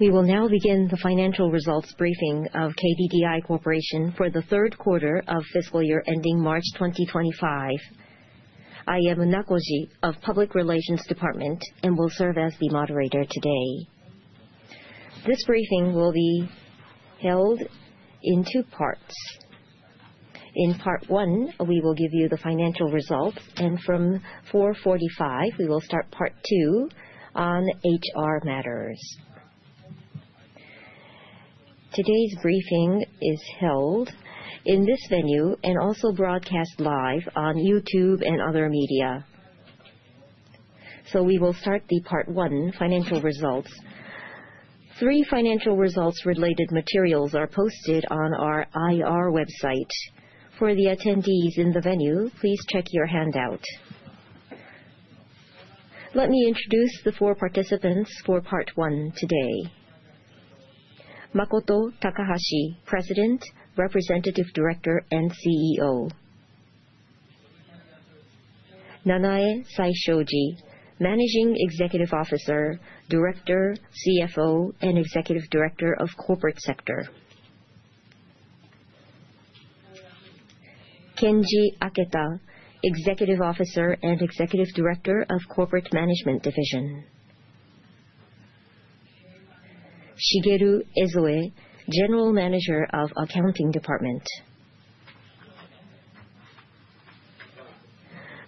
We will now begin the financial results briefing of KDDI Corporation for the third quarter of fiscal year ending March 2025. I am Nakoji of Public Relations Department and will serve as the moderator today. This briefing will be held in two parts. In part one, we will give you the financial results, and from 4:45 P.M., we will start part two on HR matters. Today's briefing is held in this venue and also broadcast live on YouTube and other media. We will start the part one, financial results. Three financial results-related materials are posted on our IR website. For the attendees in the venue, please check your handout. Let me introduce the four participants for part one today. Makoto Takahashi, President, Representative Director, and CEO. Nanae Saishoji, Managing Executive Officer, Director, CFO, and Executive Director of Corporate Sector. Kenji Aketa, Executive Officer and Executive Director of Corporate Management Division. Shigeru Ezoe, General Manager of Accounting Department.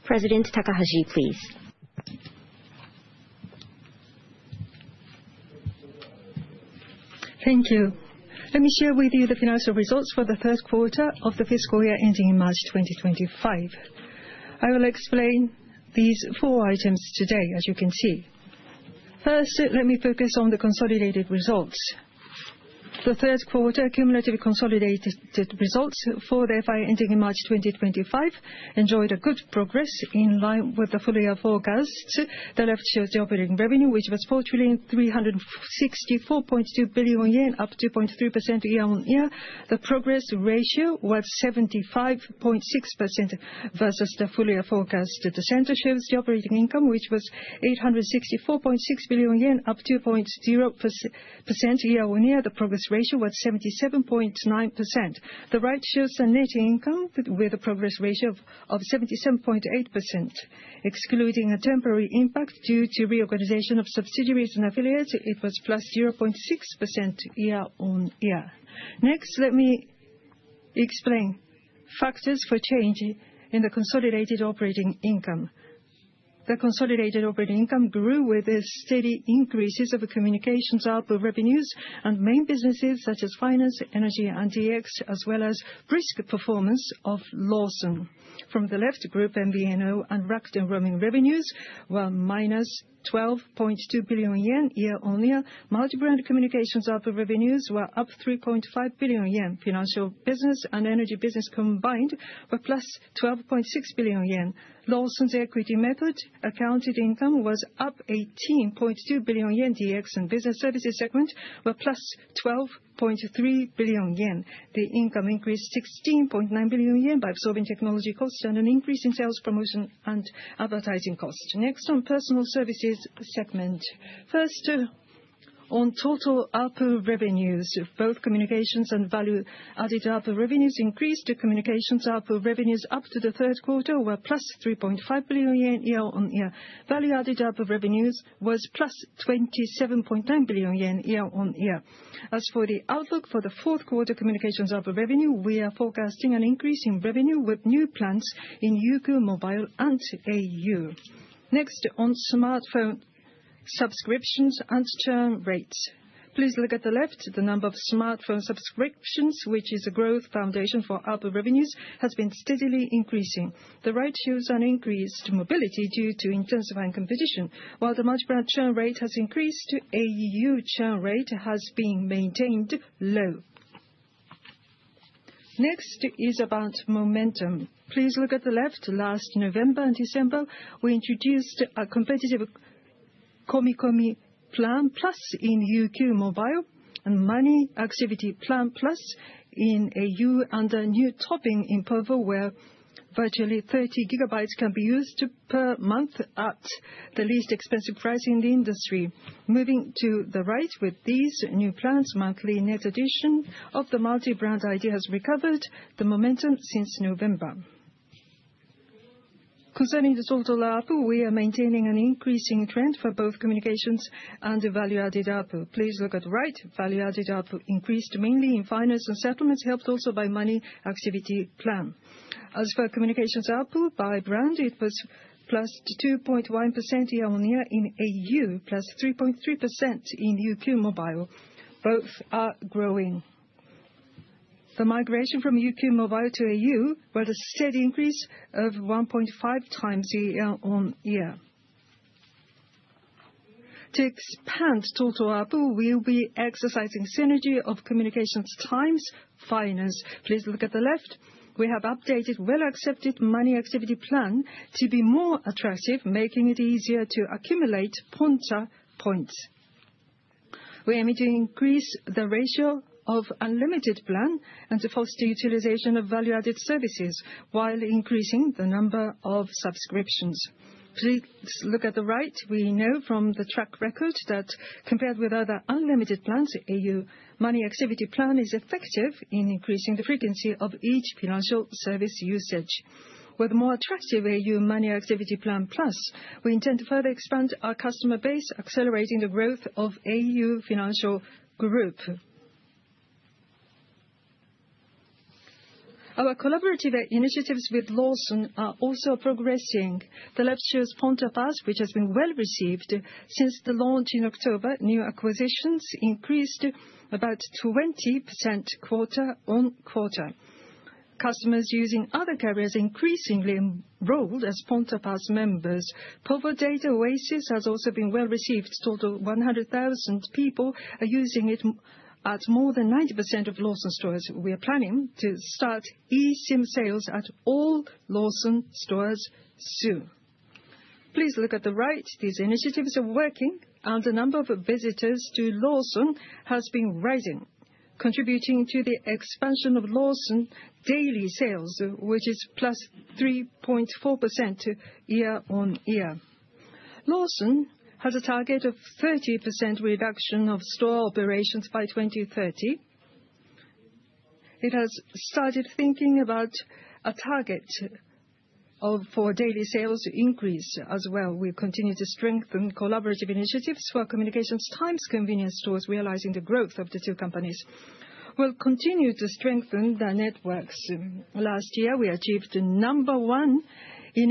President Takahashi, please. Thank you. Let me share with you the financial results for the first quarter of the fiscal year ending in March 2025. I will explain these four items today, as you can see. First, let me focus on the consolidated results. The third quarter cumulative consolidated results for the fiscal year ending in March 2025 enjoyed a good progress in line with the full year forecast. The left shows the operating revenue, which was 4,364.2 billion yen, up 2.3% year-on-year. The progress ratio was 75.6% versus the full year forecast. The center shows the operating income, which was 864.6 billion yen, up 2.0% year-on-year. The progress ratio was 77.9%. The right shows the net income with a progress ratio of 77.8%, excluding a temporary impact due to reorganization of subsidiaries and affiliates, it was +0.6% year-on-year. Let me explain factors for change in the consolidated operating income. The consolidated operating income grew with the steady increases of the communications ARPU revenues and main businesses such as finance, energy, and DX, as well as brisk performance of Lawson. From the left group, MVNO and inbound roaming revenues were -12.2 billion yen year-on-year. Multi-brand communications ARPU revenues were up 3.5 billion yen. Financial business and energy business combined were +12.6 billion yen. Lawson's equity method accounted income was up 18.2 billion yen. DX and business services segment were +12.3 billion yen. The income increased 16.9 billion yen by absorbing technology costs and an increase in sales promotion and advertising costs. On personal services segment. On total ARPU revenues, both communications and value-added ARPU revenues increased. The communications ARPU revenues up to the third quarter were +3.5 billion yen year-on-year. Value-added ARPU revenues was +27.9 billion yen year-on-year. As for the outlook for the fourth quarter communications ARPU revenue, we are forecasting an increase in revenue with new plans in UQ mobile and au. Next, on smartphone subscriptions and churn rates. Please look at the left. The number of smartphone subscriptions, which is a growth foundation for ARPU revenues, has been steadily increasing. The right shows an increase to mobility due to intensifying competition. While the multi-brand churn rate has increased, au churn rate has been maintained low. Next is about momentum. Please look at the left. Last November and December, we introduced a competitive Komikomi Plan+ in UQ mobile and au Money Activity Plan+ in au under new topping in povo, where virtually 30 gigabytes can be used per month at the least expensive price in the industry. Moving to the right, with these new plans, monthly net addition of the multi-brand ID has recovered the momentum since November. Concerning the total ARPU, we are maintaining an increasing trend for both communications and value-added ARPU. Please look at the right. Value-added ARPU increased mainly in finance and settlements, helped also by au Money Activity Plan. As for communications ARPU by brand, it was +2.1% year-on-year in au, +3.3% in UQ mobile. Both are growing. The migration from UQ mobile to au, were the steady increase of 1.5 times year-on-year. To expand total ARPU, we will be exercising synergy of communications times finance. Please look at the left. We have updated well-accepted au Money Activity Plan to be more attractive, making it easier to accumulate Ponta points. We aim to increase the ratio of unlimited plan and to foster utilization of value-added services while increasing the number of subscriptions. Please look at the right. We know from the track record that compared with other unlimited plans, au Money Activity Plan is effective in increasing the frequency of each financial service usage. With more attractive au Money Activity Plan+, we intend to further expand our customer base, accelerating the growth of au Financial Group. Our collaborative initiatives with Lawson are also progressing. The left shows Ponta Pass, which has been well-received since the launch in October. New acquisitions increased about 20% quarter-on-quarter. Customers using other carriers increasingly enrolled as Ponta Pass members. povo Data Oasis has also been well-received. A total of 100,000 people are using it at more than 90% of Lawson stores. We are planning to start eSIM sales at all Lawson stores soon. Please look at the right. These initiatives are working and the number of visitors to Lawson has been rising, contributing to the expansion of Lawson daily sales, which is +3.4% year-on-year. Lawson has a target of 30% reduction of store operations by 2030. It has started thinking about a target for daily sales increase as well. We continue to strengthen collaborative initiatives for communications times convenience stores, realizing the growth of the two companies. We will continue to strengthen the networks. Last year, we achieved number one in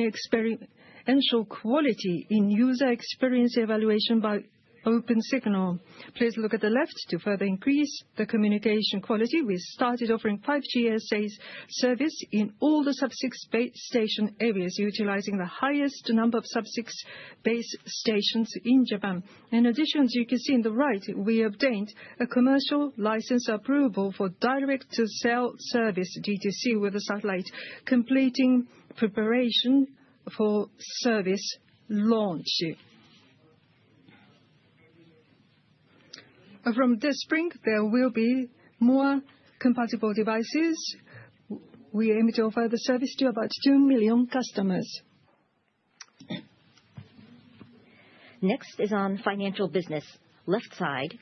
experiential quality in user experience evaluation by Opensignal. Please look at the left. To further increase the communication quality, we started offering 5G SA service in all the Sub-6 base station areas, utilizing the highest number of Sub-6 base stations in Japan. As you can see in the right, we obtained a commercial license approval for direct-to-cell service, D2C, with a satellite, completing preparation for service launch. From this spring, there will be more compatible devices. We aim to offer the service to about 2 million customers. On financial business. Left side.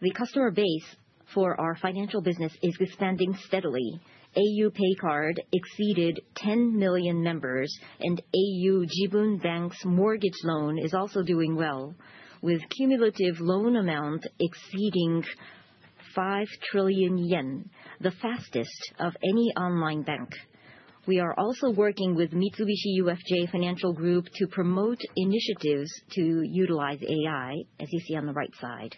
The customer base for our financial business is expanding steadily. au PAY Card exceeded 10 million members, and au Jibun Bank's mortgage loan is also doing well, with cumulative loan amount exceeding 5 trillion yen, the fastest of any online bank. We are also working with Mitsubishi UFJ Financial Group to promote initiatives to utilize AI, as you see on the right side.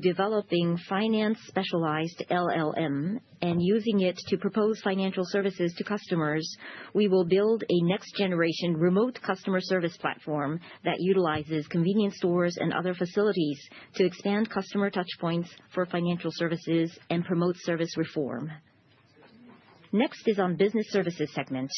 Developing finance-specialized LLM and using it to propose financial services to customers, we will build a next-generation remote customer service platform that utilizes convenience stores and other facilities to expand customer touchpoints for financial services and promote service reform. On Business Services segment.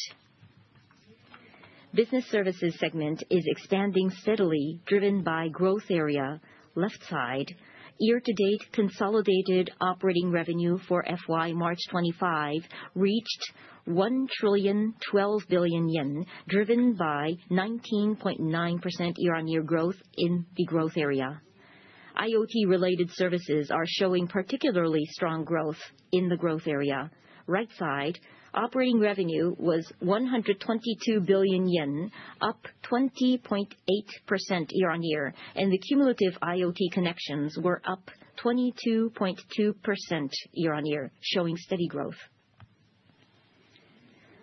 Business Services segment is expanding steadily, driven by growth area, left side. Year-to-date consolidated operating revenue for FY 2025 reached 1,012 billion yen, driven by 19.9% year-on-year growth in the growth area. IoT-related services are showing particularly strong growth in the growth area. Right side. Operating revenue was 122 billion yen, up 20.8% year-on-year, and the cumulative IoT connections were up 22.2% year-on-year, showing steady growth.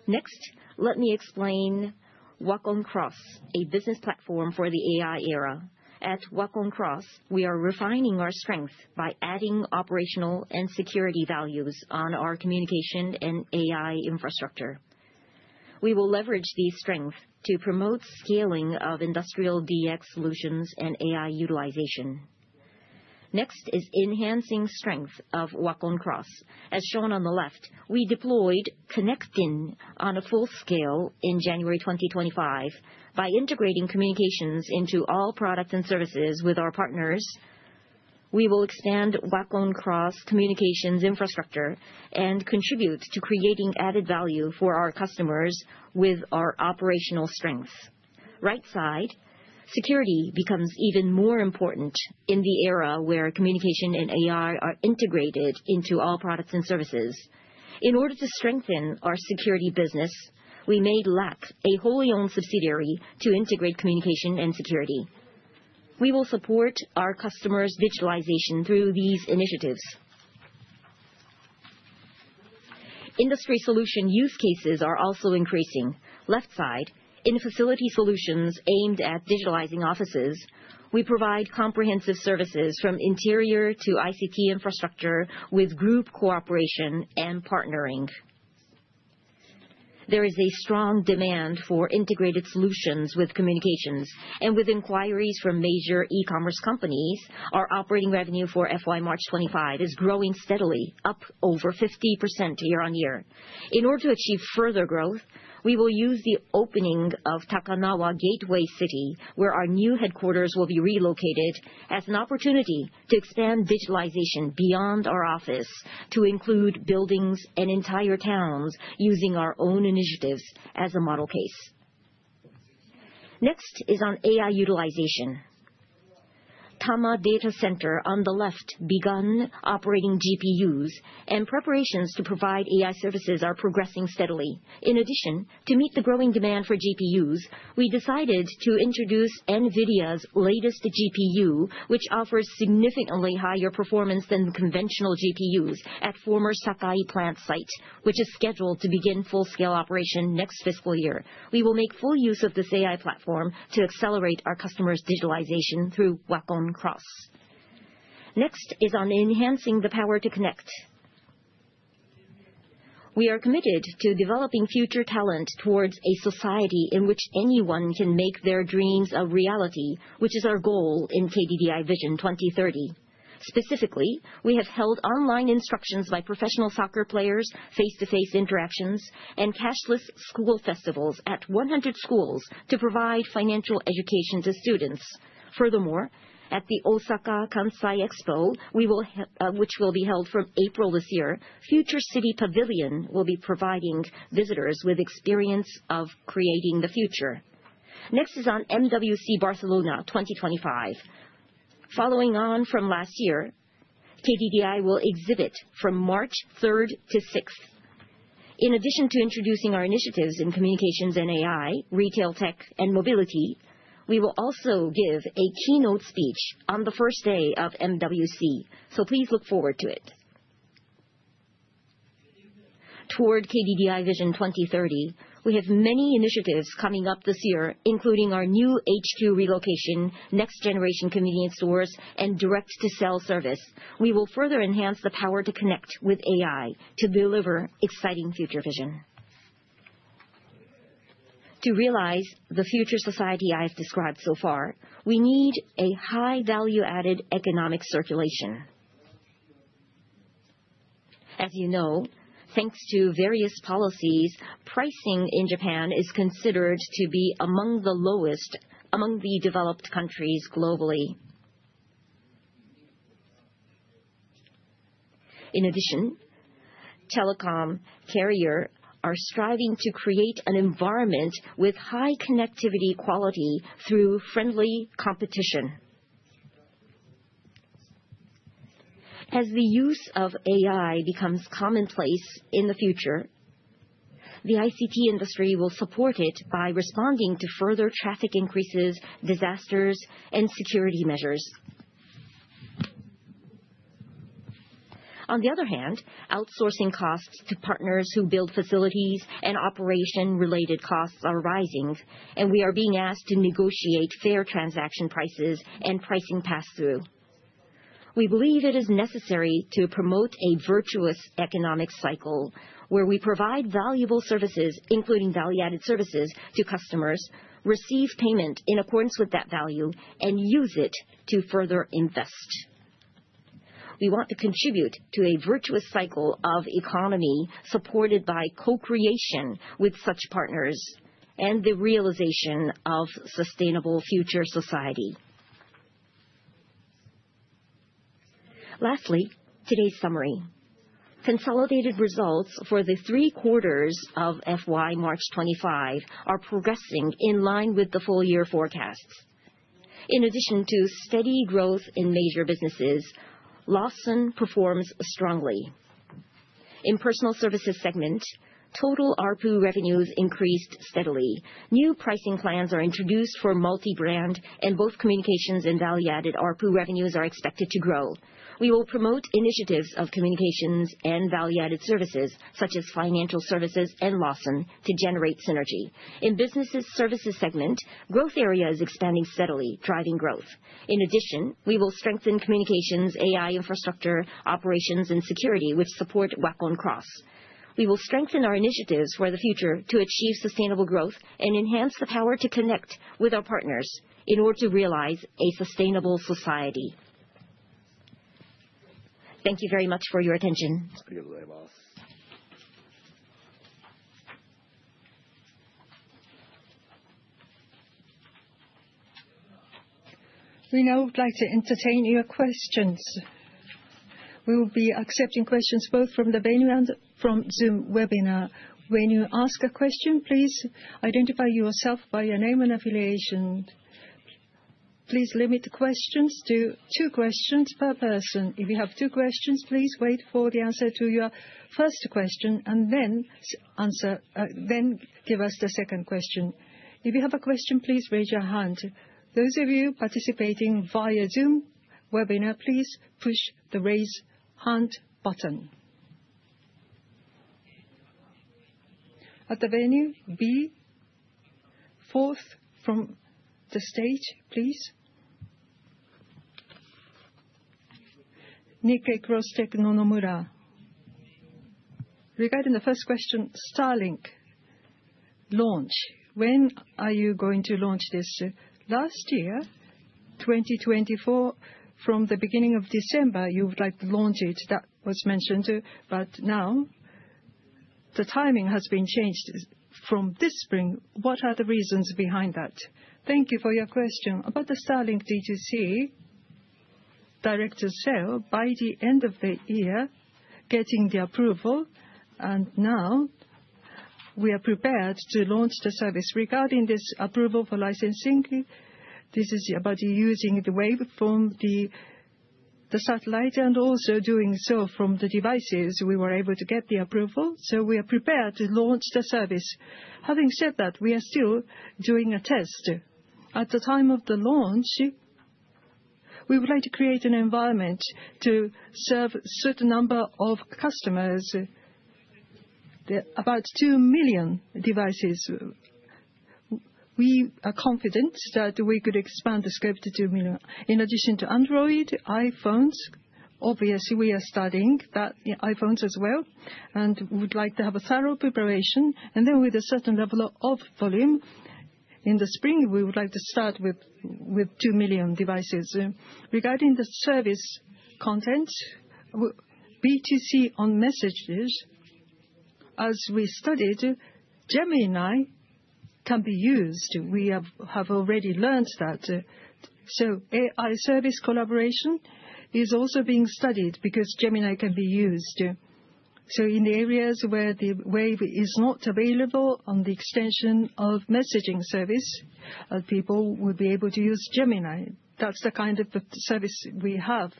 Let me explain WAKONX, a business platform for the AI era. At WAKONX, we are refining our strength by adding operational and security values on our communication and AI infrastructure. We will leverage these strengths to promote scaling of industrial DX solutions and AI utilization. Enhancing strength of WAKONX. As shown on the left, we deployed ConnectIN on a full scale in January 2025. By integrating communications into all products and services with our partners, we will expand WAKONX communications infrastructure and contribute to creating added value for our customers with our operational strengths. Right side. Security becomes even more important in the era where communication and AI are integrated into all products and services. In order to strengthen our security business, we made LAC a wholly owned subsidiary to integrate communication and security. We will support our customers' digitalization through these initiatives. Industry solution use cases are also increasing. Left side. In facility solutions aimed at digitalizing offices, we provide comprehensive services from interior to ICT infrastructure with group cooperation and partnering. There is a strong demand for integrated solutions with communications and with inquiries from major e-commerce companies. Our operating revenue for FY 2025 is growing steadily, up over 50% year-on-year. In order to achieve further growth, we will use the opening of Takanawa Gateway City, where our new headquarters will be relocated, as an opportunity to expand digitalization beyond our office to include buildings and entire towns using our own initiatives as a model case. Next is on AI utilization. Tama Data Center, on the left, began operating GPUs, and preparations to provide AI services are progressing steadily. In addition, to meet the growing demand for GPUs, we decided to introduce NVIDIA's latest GPU, which offers significantly higher performance than conventional GPUs at former Sakai plant site, which is scheduled to begin full-scale operation next fiscal year. We will make full use of this AI platform to accelerate our customers' digitalization through WAKONX. Next is on enhancing the power to connect. We are committed to developing future talent towards a society in which anyone can make their dreams a reality, which is our goal in KDDI VISION 2030. Specifically, we have held online instructions by professional soccer players, face-to-face interactions, and cashless school festivals at 100 schools to provide financial education to students. Furthermore, at the Expo 2025 Osaka, Kansai, which will be held from April this year, Future City Pavilion will be providing visitors with experience of creating the future. Next is on MWC Barcelona 2025. Following on from last year, KDDI will exhibit from March 3 to 6. In addition to introducing our initiatives in communications and AI, retail tech and mobility, we will also give a keynote speech on the first day of MWC. Please look forward to it. Toward KDDI VISION 2030, we have many initiatives coming up this year, including our new HQ relocation, next generation convenience stores, and direct-to-sell service. We will further enhance the power to connect with AI to deliver exciting future vision. To realize the future society I've described so far, we need a high value-added economic circulation. As you know, thanks to various policies, pricing in Japan is considered to be among the lowest among the developed countries globally. In addition, telecom carriers are striving to create an environment with high connectivity quality through friendly competition. As the use of AI becomes commonplace in the future, the ICT industry will support it by responding to further traffic increases, disasters, and security measures. On the other hand, outsourcing costs to partners who build facilities and operation-related costs are rising, and we are being asked to negotiate fair transaction prices and pricing pass-through. We believe it is necessary to promote a virtuous economic cycle where we provide valuable services, including value-added services to customers, receive payment in accordance with that value, and use it to further invest. We want to contribute to a virtuous cycle of economy supported by co-creation with such partners and the realization of sustainable future society. Lastly, today's summary. Consolidated results for the three quarters of FY March 2025 are progressing in line with the full-year forecasts. In addition to steady growth in major businesses, Lawson performs strongly. In Personal Services segment, total ARPU revenues increased steadily. New pricing plans are introduced for multi-brand, and both communications and value-added ARPU revenues are expected to grow. We will promote initiatives of communications and value-added services such as financial services and Lawson to generate synergy. In Business Services segment, growth area is expanding steadily, driving growth. In addition, we will strengthen communications, AI infrastructure, operations, and security, which support WAKONX. We will strengthen our initiatives for the future to achieve sustainable growth and enhance the power to connect with our partners in order to realize a sustainable society. Thank you very much for your attention. We now would like to entertain your questions. We will be accepting questions both from the venue and from Zoom Webinar. When you ask a question, please identify yourself by your name and affiliation. Please limit questions to two questions per person. If you have two questions, please wait for the answer to your first question, then give us the second question. If you have a question, please raise your hand. Those of you participating via Zoom Webinar, please push the Raise Hand button. At the venue, B, fourth from the stage, please. Nikkei xTECH, Nonomura. Regarding the first question, Starlink launch. When are you going to launch this? Last year, 2024, from the beginning of December, you would like to launch it, that was mentioned. But now, the timing has been changed from this spring. What are the reasons behind that? Thank you for your question. About the Starlink DTC, direct-to-consumer, by the end of the year, getting the approval, and now we are prepared to launch the service. Regarding this approval for licensing, this is about using the wave from the satellite and also doing so from the devices, we were able to get the approval. So we are prepared to launch the service. Having said that, we are still doing a test. At the time of the launch, we would like to create an environment to serve a certain number of customers, about 2 million devices. We are confident that we could expand the scope to 2 million. In addition to Android, iPhones, obviously, we are studying that, iPhones as well, and would like to have a thorough preparation. Then with a certain level of volume, in the spring, we would like to start with 2 million devices. Regarding the service content, DTC on messages, as we studied, Gemini can be used. We have already learned that. So AI service collaboration is also being studied because Gemini can be used. So in areas where the wave is not available on the extension of messaging service, people will be able to use Gemini. That is the kind of service we have.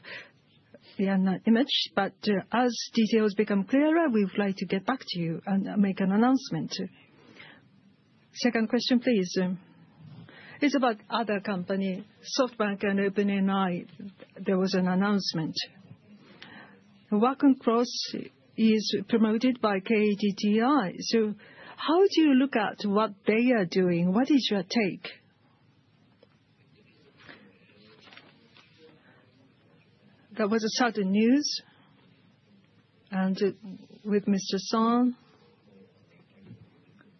We are not image, but as details become clearer, we would like to get back to you and make an announcement. Second question, please. It is about other company, SoftBank and OpenAI. There was an announcement. WAKONX is promoted by KDDI. So how do you look at what they are doing? What is your take? That was a sudden news. With Mr. Son,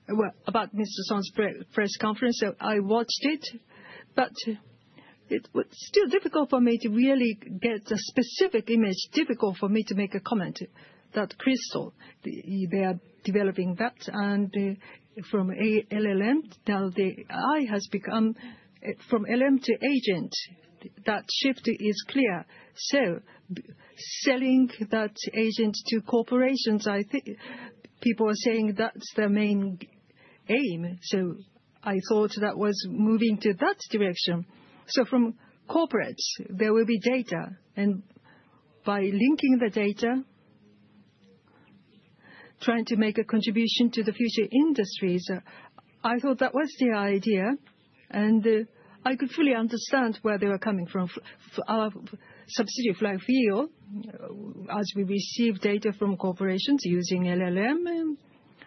well, about Mr. Son's press conference, I watched it, but it was still difficult for me to really get a specific image, difficult for me to make a comment. That Cristal, they are developing that, and from LLM, now the AI has become from LLM to agent. That shift is clear. Selling that agent to corporations, I think people are saying that's their main aim. I thought that was moving to that direction. From corporates, there will be data, and by linking the data, trying to make a contribution to the future industries, I thought that was the idea, and I could fully understand where they were coming from. Subsidiary FLYWHEEL, as we receive data from corporations using LLM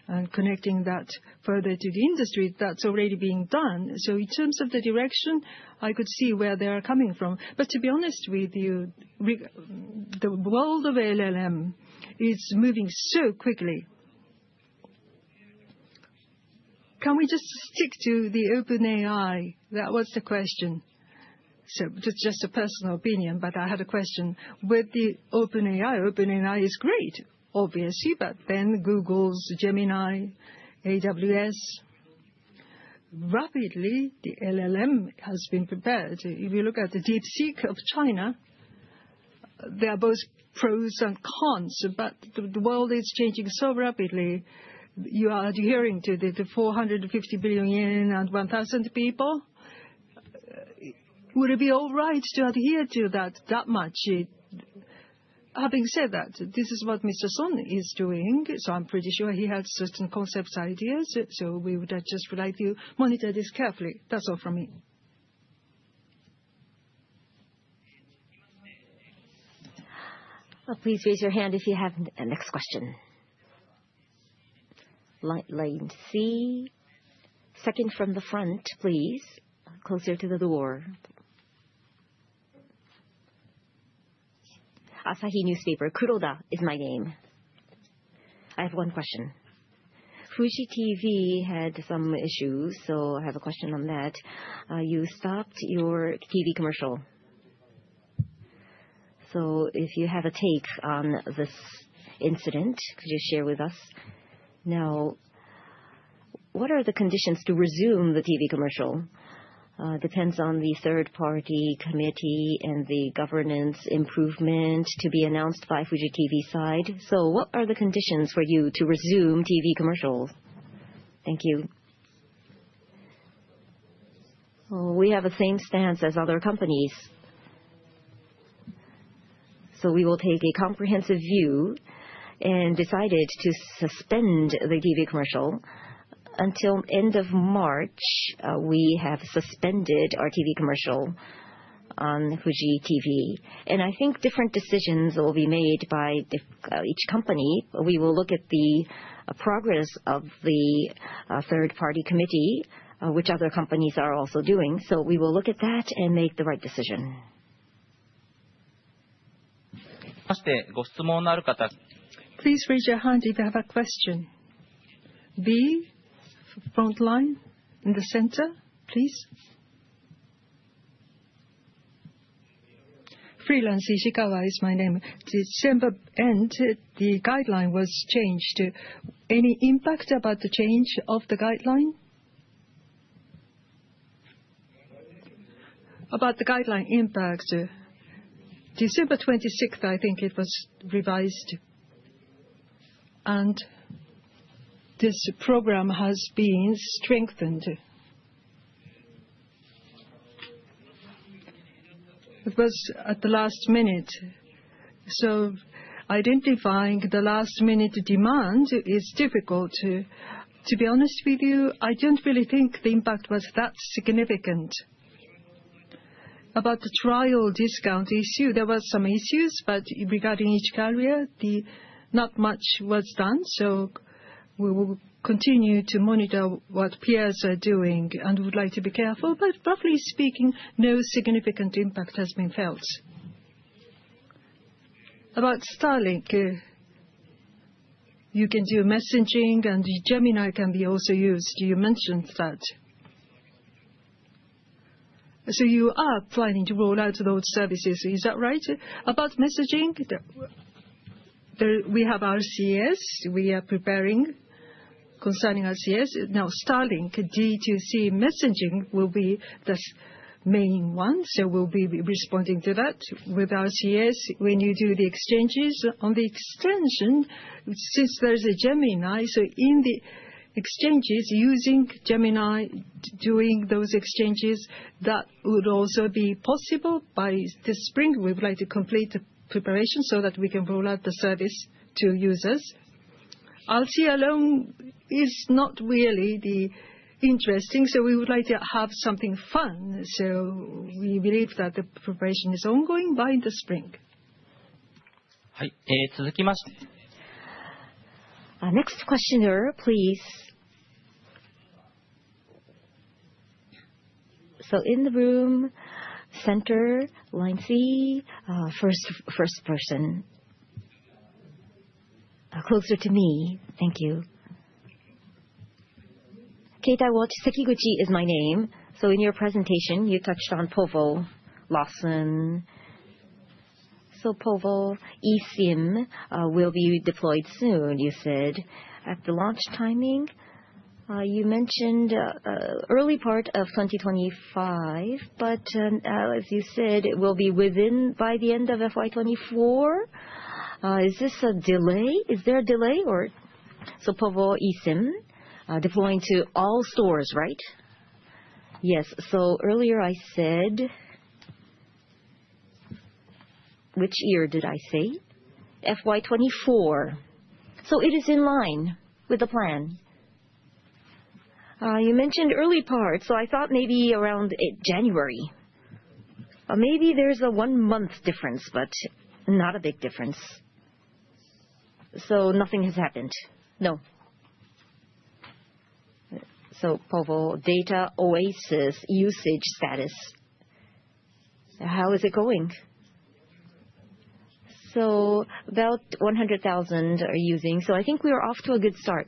and connecting that further to the industry, that's already being done. In terms of the direction, I could see where they are coming from. To be honest with you, the world of LLM is moving so quickly. Can we just stick to the OpenAI? That was the question. It's just a personal opinion, but I had a question. With the OpenAI is great, obviously, but then Google's Gemini, AWS. Rapidly, the LLM has been prepared. If you look at the DeepSeek of China, there are both pros and cons, but the world is changing so rapidly. You are adhering to the 450 billion and 1,000 people. Would it be all right to adhere to that that much? Having said that, this is what Mr. Son is doing, so I'm pretty sure he has certain concepts, ideas. We would just like to monitor this carefully. That's all from me. Please raise your hand if you have the next question. Light lane C. Second from the front, please. Closer to the door. Asahi Newspaper, Kuroda is my name. I have one question. Fuji Television Network had some issues, I have a question on that. You stopped your TV commercial. If you have a take on this incident, could you share with us? Now, what are the conditions to resume the TV commercial? Depends on the third-party committee and the governance improvement to be announced by Fuji Television Network side. What are the conditions for you to resume TV commercials? Thank you. We have the same stance as other companies. We will take a comprehensive view and decided to suspend the TV commercial until end of March. We have suspended our TV commercial on Fuji TV. I think different decisions will be made by each company. We will look at the progress of the third-party committee, which other companies are also doing. We will look at that and make the right decision. Please raise your hand if you have a question. B, front line in the center, please. Freelance, Ishikawa is my name. December end, the guideline was changed. Any impact about the change of the guideline? About the guideline impact, December 26th, I think it was revised, and this program has been strengthened. It was at the last minute, identifying the last-minute demand is difficult. To be honest with you, I don't really think the impact was that significant. About the trial discount issue, there were some issues, but regarding each carrier, not much was done. We will continue to monitor what peers are doing and would like to be careful, but broadly speaking, no significant impact has been felt. About Starlink, you can do messaging, and Gemini can be also used. You mentioned that. You are planning to roll out those services, is that right? About messaging, we have RCS. We are preparing concerning RCS. Starlink, D2C messaging will be the main one, we'll be responding to that with RCS when you do the exchanges. On the extension, since there's a Gemini, in the exchanges using Gemini, doing those exchanges, that would also be possible. By this spring, we would like to complete the preparation so that we can roll out the service to users. RCS alone is not really that interesting, we would like to have something fun. We believe that the preparation is ongoing by the spring. Next questioner, please. In the room, center, line C, first person. Closer to me. Thank you. Keitai Watch. Sekiguchi is my name. In your presentation, you touched on povo, Lawson. povo eSIM will be deployed soon, you said. At the launch timing, you mentioned early part of 2025, but as you said, it will be within by the end of FY 2024. Is this a delay? Is there a delay or Povo eSIM deploying to all stores, right? Yes. Earlier I said Which year did I say? FY 2024. It is in line with the plan. You mentioned early part, I thought maybe around January. Maybe there is a one-month difference, but not a big difference. Nothing has happened? No. Povo Data Oasis usage status. How is it going? About 100,000 are using. I think we are off to a good start.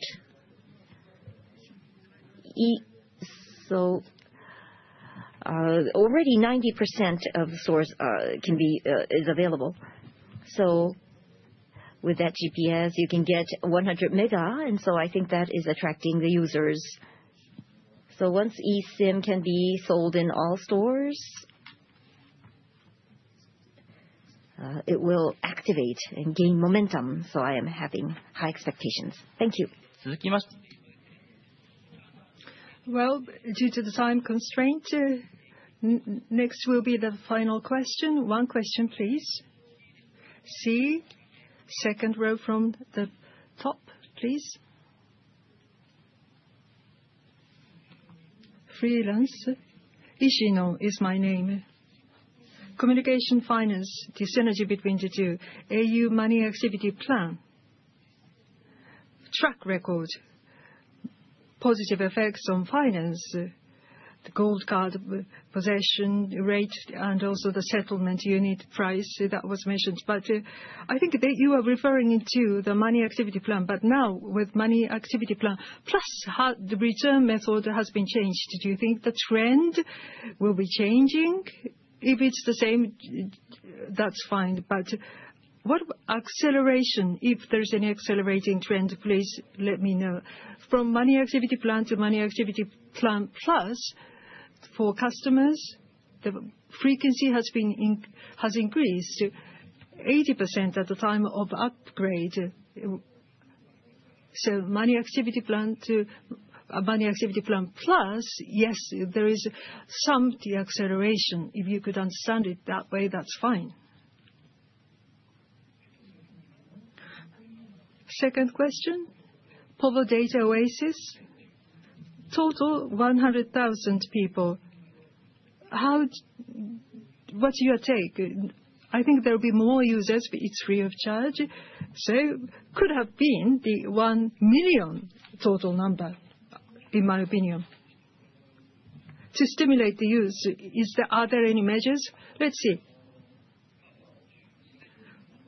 Already 90% of the stores is available. With that GPS, you can get 100 mega, and I think that is attracting the users. Once eSIM can be sold in all stores, it will activate and gain momentum. I am having high expectations. Thank you. Due to the time constraint, next will be the final question. One question please. C, second row from the top, please. Freelance. Junya is my name. Communication, finance, the synergy between the two, au Money Activity Plan. Track record, positive effects on finance, the Gold Card possession rate, and also the settlement unit price that was mentioned. I think that you are referring to the au Money Activity Plan. Now with au Money Activity Plan+, the return method has been changed. Do you think the trend will be changing? If it's the same, that's fine. What acceleration, if there's any accelerating trend, please let me know. From au Money Activity Plan to au Money Activity Plan+, for customers, the frequency has increased 80% at the time of upgrade. au Money Activity Plan to au Money Activity Plan+, yes, there is some acceleration. If you could understand it that way, that's fine. Second question, povo Data Oasis. Total 100,000 people. What's your take? I think there will be more users. It's free of charge, could have been the 1 million total number, in my opinion. To stimulate the use, are there any measures? Let's see.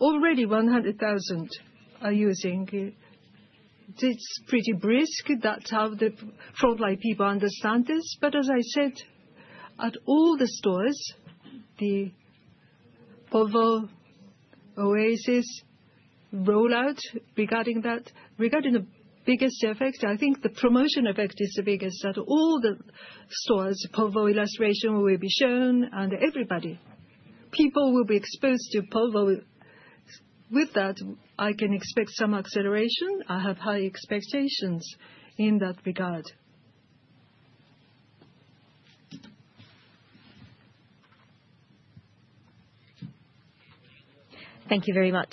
Already 100,000 are using it. It's pretty brisk. That's how the frontline people understand this. As I said, at all the stores, the povo Oasis rollout regarding that. Regarding the biggest effect, I think the promotion effect is the biggest, that all the stores, povo illustration will be shown and everybody, people, will be exposed to povo. With that, I can expect some acceleration. I have high expectations in that regard. Thank you very much.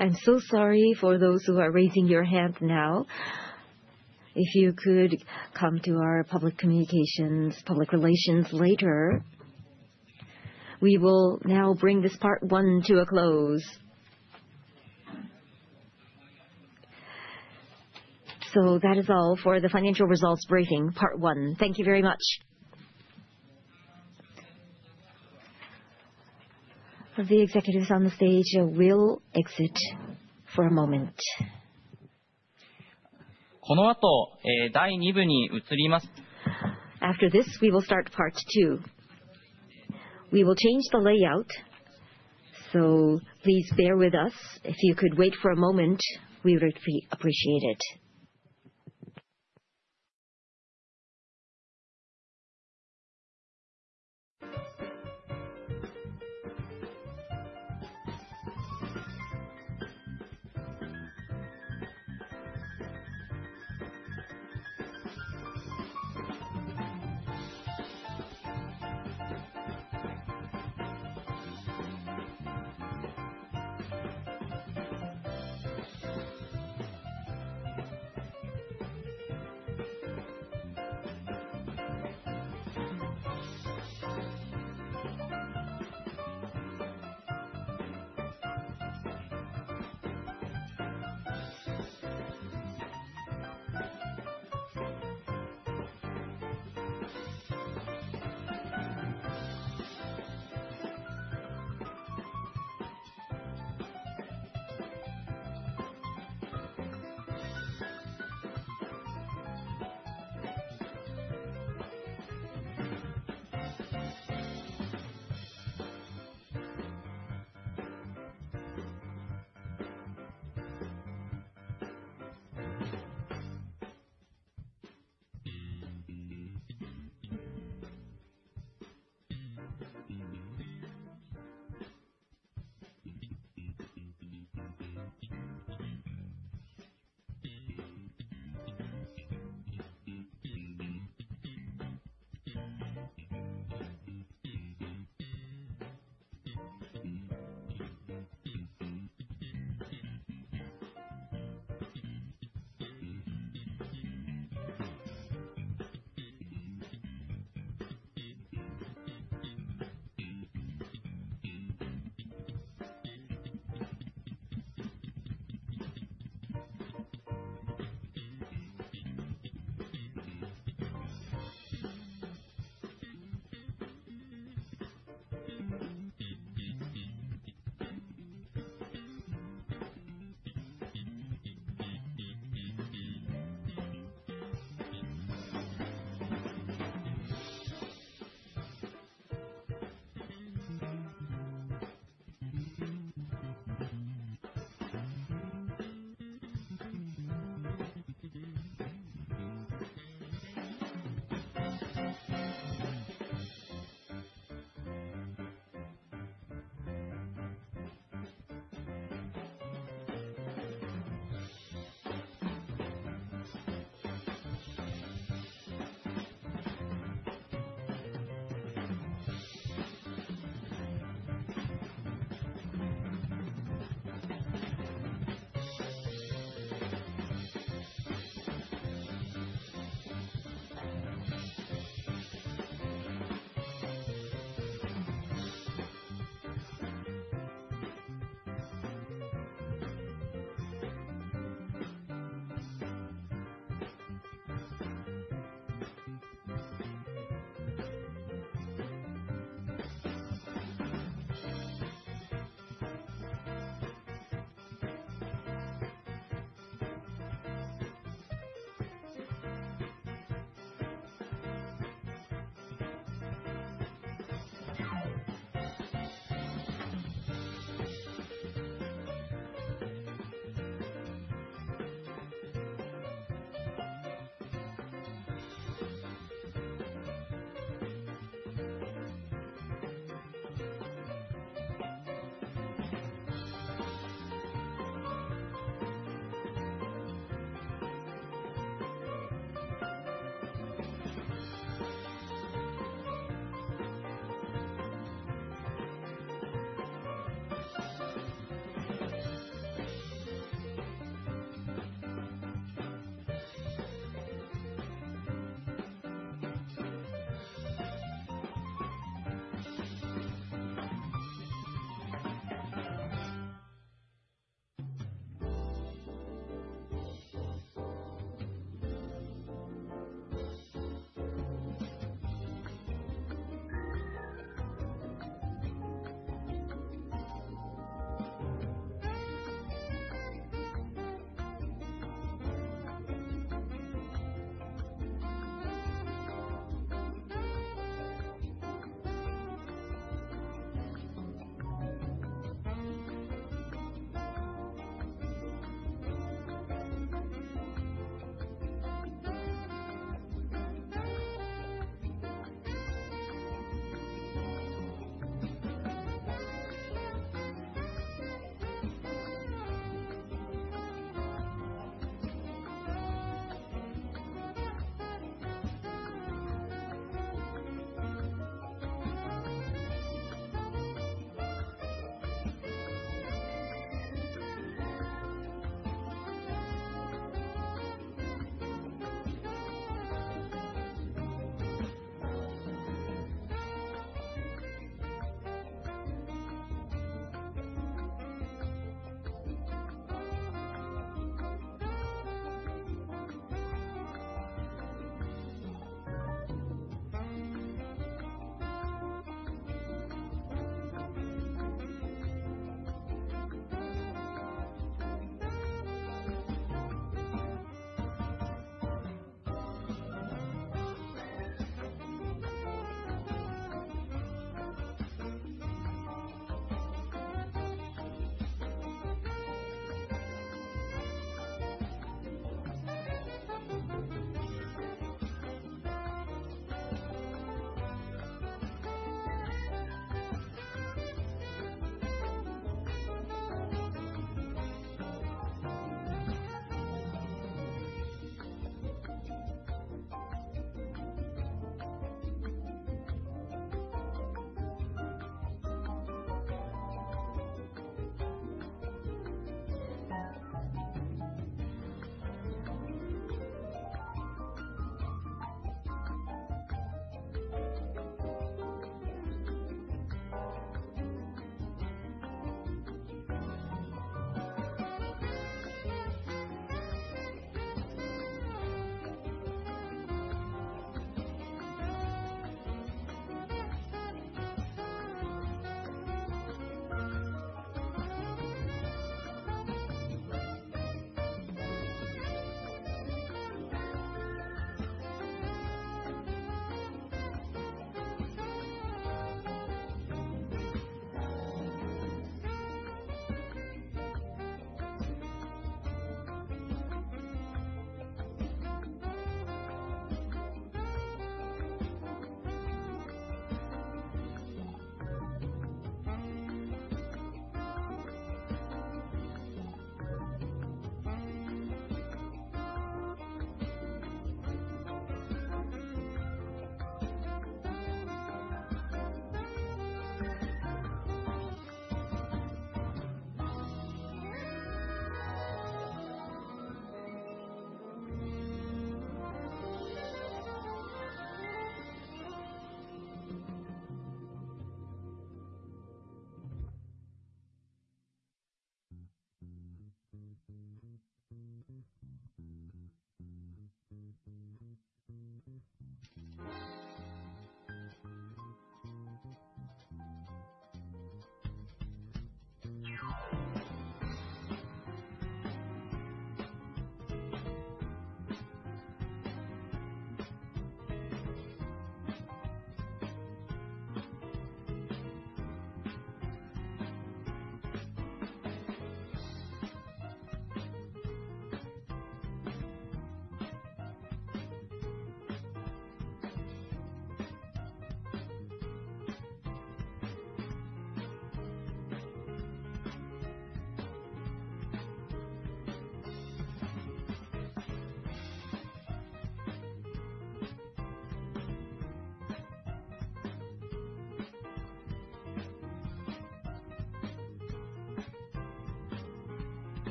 I'm so sorry for those who are raising your hand now. If you could come to our public communications, public relations later. We will now bring this part one to a close. That is all for the financial results briefing part one. Thank you very much. The executives on the stage will exit for a moment. After this, we will start part two. We will change the layout, so please bear with us. If you could wait for a moment, we would appreciate it.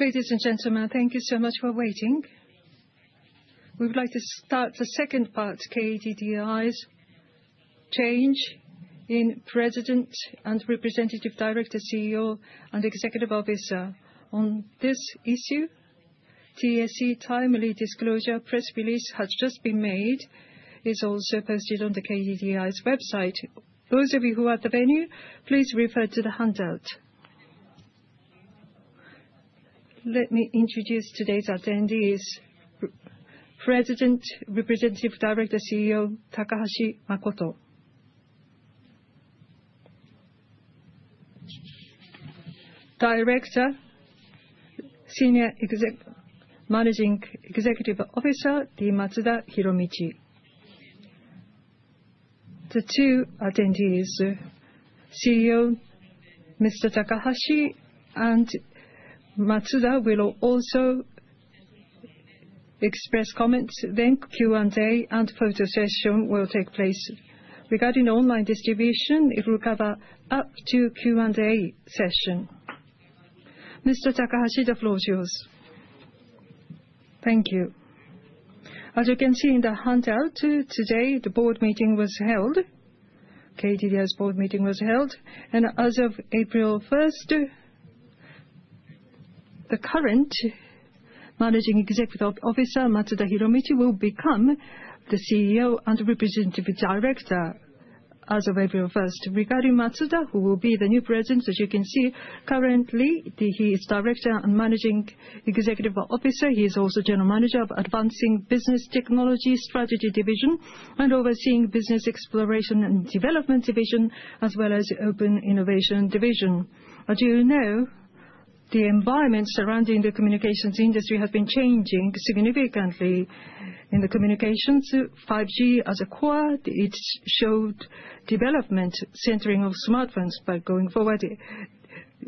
Ladies and gentlemen, thank you so much for waiting. We would like to start the second part, KDDI's change in President and Representative Director, CEO, and Executive Officer. On this issue, TSE timely disclosure press release has just been made. It is also posted on the KDDI's website. Those of you who are at the venue, please refer to the handout. Let me introduce today's attendees. President, Representative Director, CEO, Takahashi Makoto. Director, Senior Managing Executive Officer, Matsuda Hiromichi. The two attendees, CEO, Mr. Takahashi, and Matsuda, will also express comments, then Q&A and photo session will take place. Regarding online distribution, it will cover up to Q&A session. Mr. Takahashi, the floor is yours. Thank you. As you can see in the handout, today the board meeting was held, KDDI's board meeting was held, As of April 1st, the current Managing Executive Officer, Matsuda Hiromichi, will become the CEO and Representative Director as of April 1st. Regarding Matsuda, who will be the new President, as you can see, currently, he is Director and Managing Executive Officer. He is also General Manager of Advancing Business Technology Strategy Division and overseeing Business Exploration and Development Division, as well as Open Innovation Division. As you know, the environment surrounding the communications industry has been changing significantly. In the communications, 5G as a core, it showed development centering on smartphones. Going forward,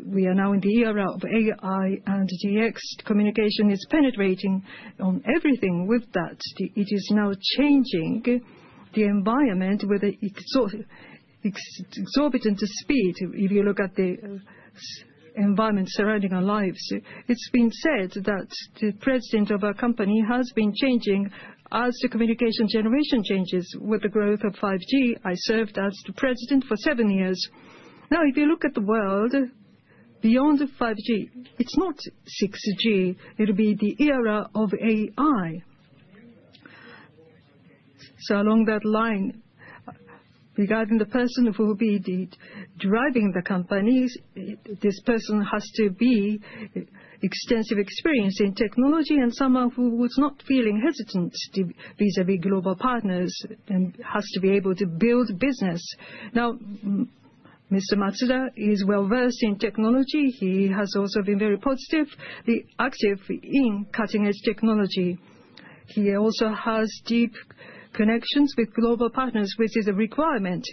we are now in the era of AI and DX. Communication is penetrating on everything. With that, it is now changing the environment with an exorbitant speed, if you look at the environment surrounding our lives. It has been said that the President of a company has been changing as the communication generation changes. With the growth of 5G, I served as the President for seven years. If you look at the world beyond 5G, it is not 6G. It will be the era of AI. Along that line, regarding the person who will be driving the company, this person has to be extensive experience in technology and someone who was not feeling hesitant vis-à-vis global partners and has to be able to build business. Mr. Matsuda is well-versed in technology. He has also been very positive, active in cutting-edge technology. He also has deep connections with global partners, which is a requirement.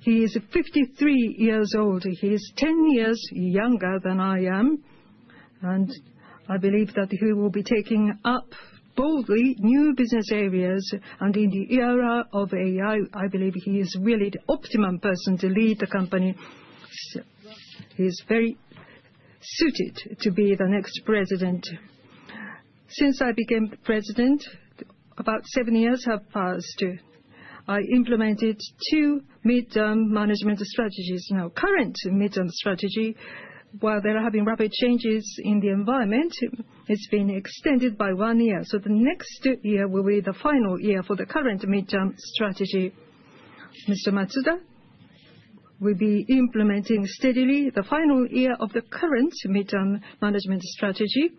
He is 53 years old. He is 10 years younger than I am, I believe that he will be taking up boldly new business areas. In the era of AI, I believe he is really the optimum person to lead the company. He is very suited to be the next President. Since I became President, about seven years have passed. I implemented two Mid-Term Management Strategies. Current Mid-Term Management Strategy, while there have been rapid changes in the environment, it has been extended by one year. The next year will be the final year for the current Mid-Term Management Strategy. Mr. Matsuda will be implementing steadily the final year of the current Mid-Term Management Strategy.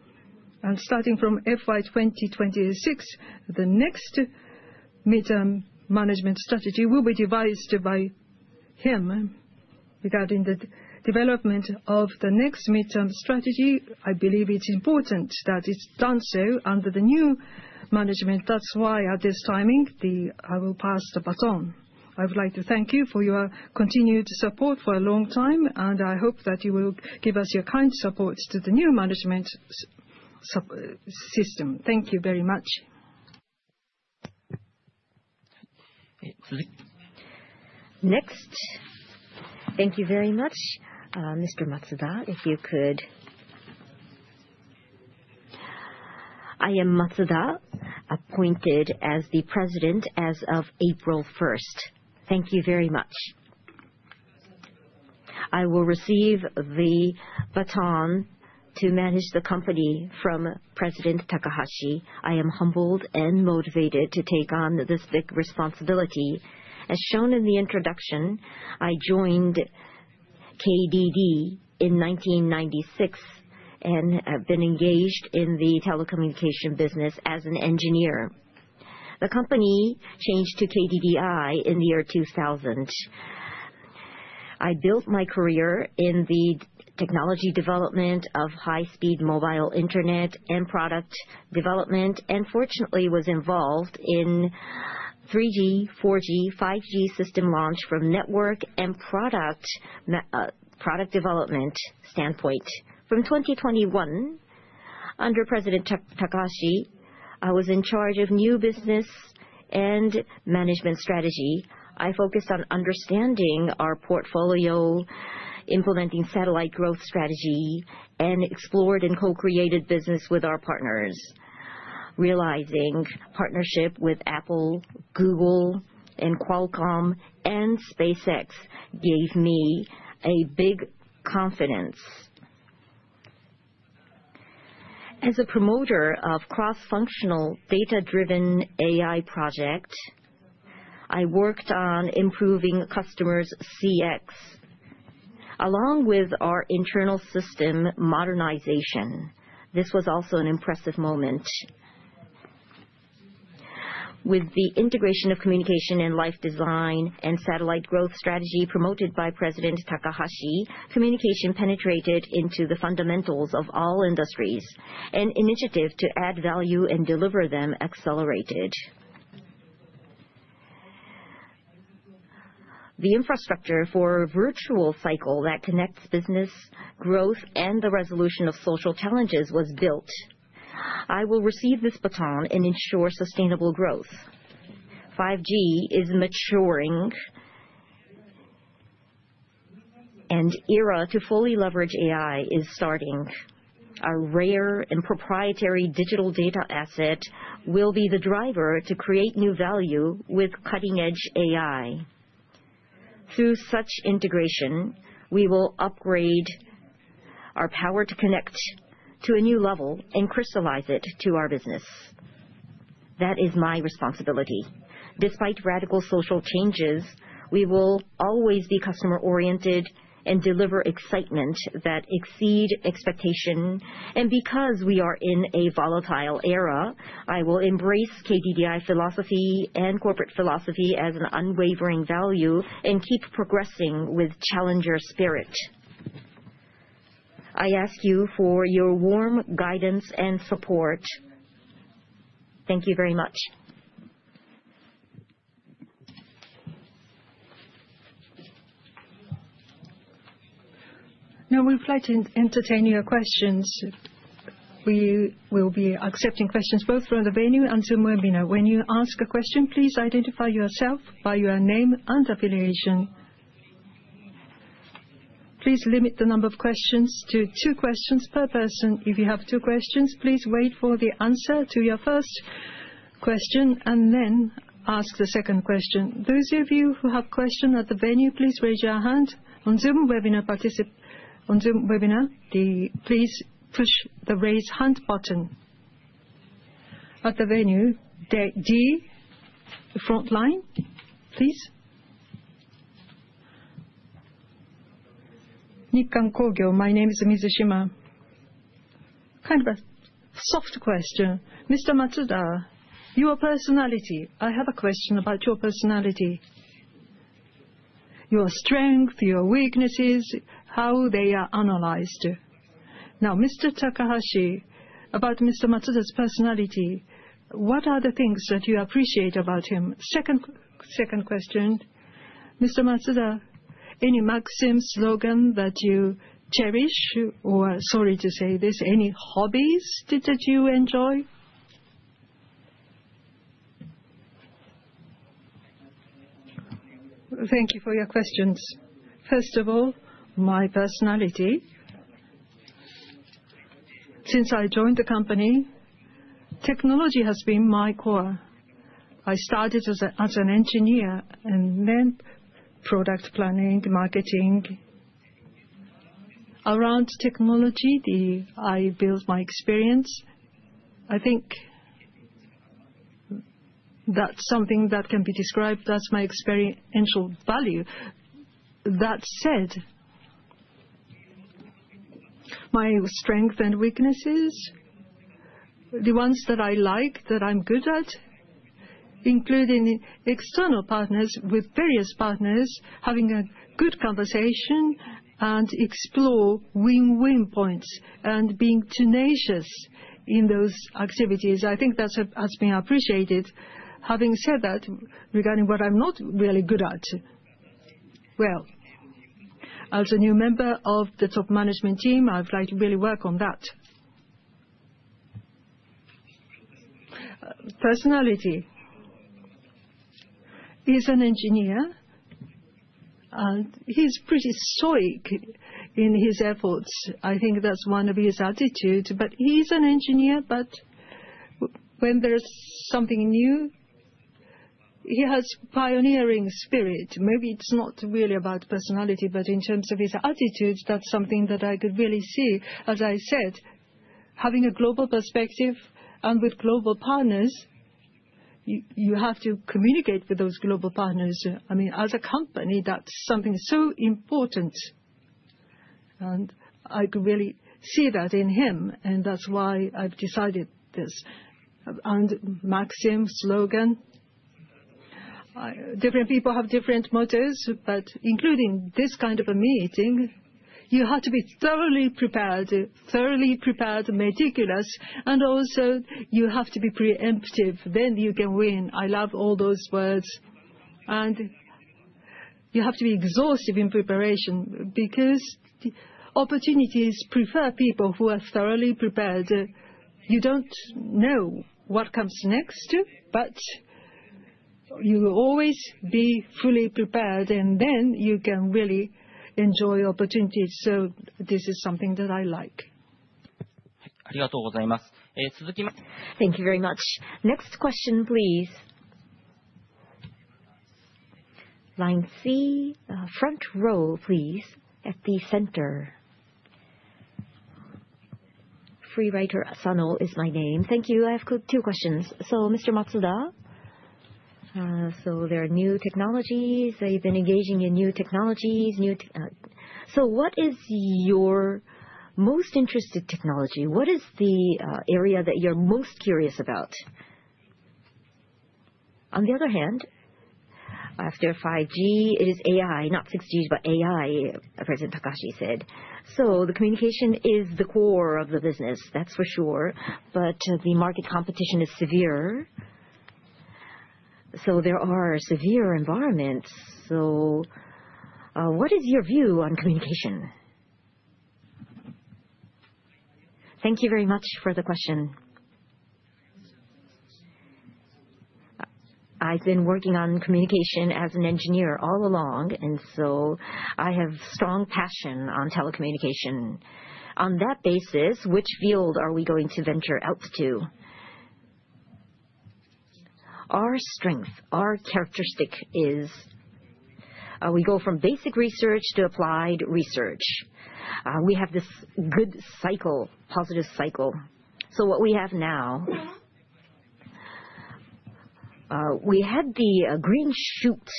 Starting from FY 2026, the next Mid-Term Management Strategy will be devised by him. Regarding the development of the next Mid-Term Management Strategy, I believe it is important that it is done so under the new management. That is why at this timing, I will pass the baton. I would like to thank you for your continued support for a long time. I hope that you will give us your kind support to the new management system. Thank you very much. Next. Thank you very much. Mr. Matsuda, if you could. I am Matsuda, appointed as the President as of April 1st. Thank you very much. I will receive the baton to manage the company from President Takahashi. I am humbled and motivated to take on this big responsibility. As shown in the introduction, I joined KDD in 1996 and have been engaged in the telecommunication business as an engineer. The company changed to KDDI in the year 2000. I built my career in the technology development of high-speed mobile internet and product development. Fortunately was involved in 3G, 4G, 5G system launch from network and product development standpoint. From 2021, under President Takahashi, I was in charge of new business and management strategy. I focused on understanding our portfolio, implementing Satellite Growth Strategy, explored and co-created business with our partners. Realizing partnership with Apple, Google, Qualcomm, SpaceX gave me a big confidence. As a promoter of cross-functional data-driven AI project, I worked on improving customers' CX. Along with our internal system modernization, this was also an impressive moment. With the integration of communication and life design and Satellite Growth Strategy promoted by President Takahashi, communication penetrated into the fundamentals of all industries. Initiative to add value and deliver them accelerated. The infrastructure for a virtual cycle that connects business growth and the resolution of social challenges was built. I will receive this baton and ensure sustainable growth. 5G is maturing. Era to fully leverage AI is starting. Our rare and proprietary digital data asset will be the driver to create new value with cutting-edge AI. Through such integration, we will upgrade our power to connect to a new level and crystallize it to our business. That is my responsibility. Despite radical social changes, we will always be customer-oriented and deliver excitement that exceed expectation. Because we are in a volatile era, I will embrace KDDI philosophy and corporate philosophy as an unwavering value and keep progressing with challenger spirit. I ask you for your warm guidance and support. Thank you very much. We'd like to entertain your questions. We will be accepting questions both from the venue and Zoom webinar. When you ask a question, please identify yourself by your name and affiliation. Please limit the number of questions to two questions per person. If you have two questions, please wait for the answer to your first question and then ask the second question. Those of you who have question at the venue, please raise your hand. On Zoom webinar, please push the Raise Hand button. At the venue, deck D, the front line, please. Nikkan Kogyo. My name is Mizushima. Kind of a soft question. Mr. Matsuda, your personality. I have a question about your personality. Your strength, your weaknesses, how they are analyzed. Mr. Takahashi, about Mr. Matsuda's personality, what are the things that you appreciate about him? Second question. Mr. Matsuda, any maxim slogan that you cherish or, sorry to say this, any hobbies that you enjoy? Thank you for your questions. My personality. Since I joined the company, technology has been my core. I started as an engineer and then product planning, marketing. Around technology, I built my experience. I think that's something that can be described as my experiential value. My strength and weaknesses, the ones that I like, that I'm good at, including external partners with various partners, having a good conversation and explore win-win points and being tenacious in those activities. I think that has been appreciated. Regarding what I'm not really good at, well, as a new member of the top management team, I would like to really work on that. Personality. He's an engineer, and he's pretty stoic in his efforts. I think that's one of his attitudes. He's an engineer, but when there's something new, he has pioneering spirit. Maybe it's not really about personality, but in terms of his attitudes, that's something that I could really see. Having a global perspective and with global partners, you have to communicate with those global partners. I mean, as a company, that's something so important, I could really see that in him, and that's why I've decided this. Maxim slogan. Different people have different mottos, including this kind of a meeting, you have to be thoroughly prepared. Thoroughly prepared, meticulous, you have to be preemptive, then you can win. I love all those words. You have to be exhaustive in preparation because opportunities prefer people who are thoroughly prepared. You don't know what comes next, you will always be fully prepared, and then you can really enjoy opportunities. This is something that I like. Thank you very much. Next question, please. Line C, front row, please. At the center. Free writer Asano is my name. Thank you. I have two questions. Mr. Matsuda, there are new technologies. You've been engaging in new technologies. What is your most interesting technology? What is the area that you're most curious about? After 5G, it is AI, not 6G, but AI, as President Takahashi said. The communication is the core of the business, that's for sure, the market competition is severe, there are severe environments. What is your view on communication? Thank you very much for the question. I have strong passion on telecommunication. On that basis, which field are we going to venture out to? Our strength, our characteristic is we go from basic research to applied research. We have this good cycle, positive cycle. What we have now, we had the green shoot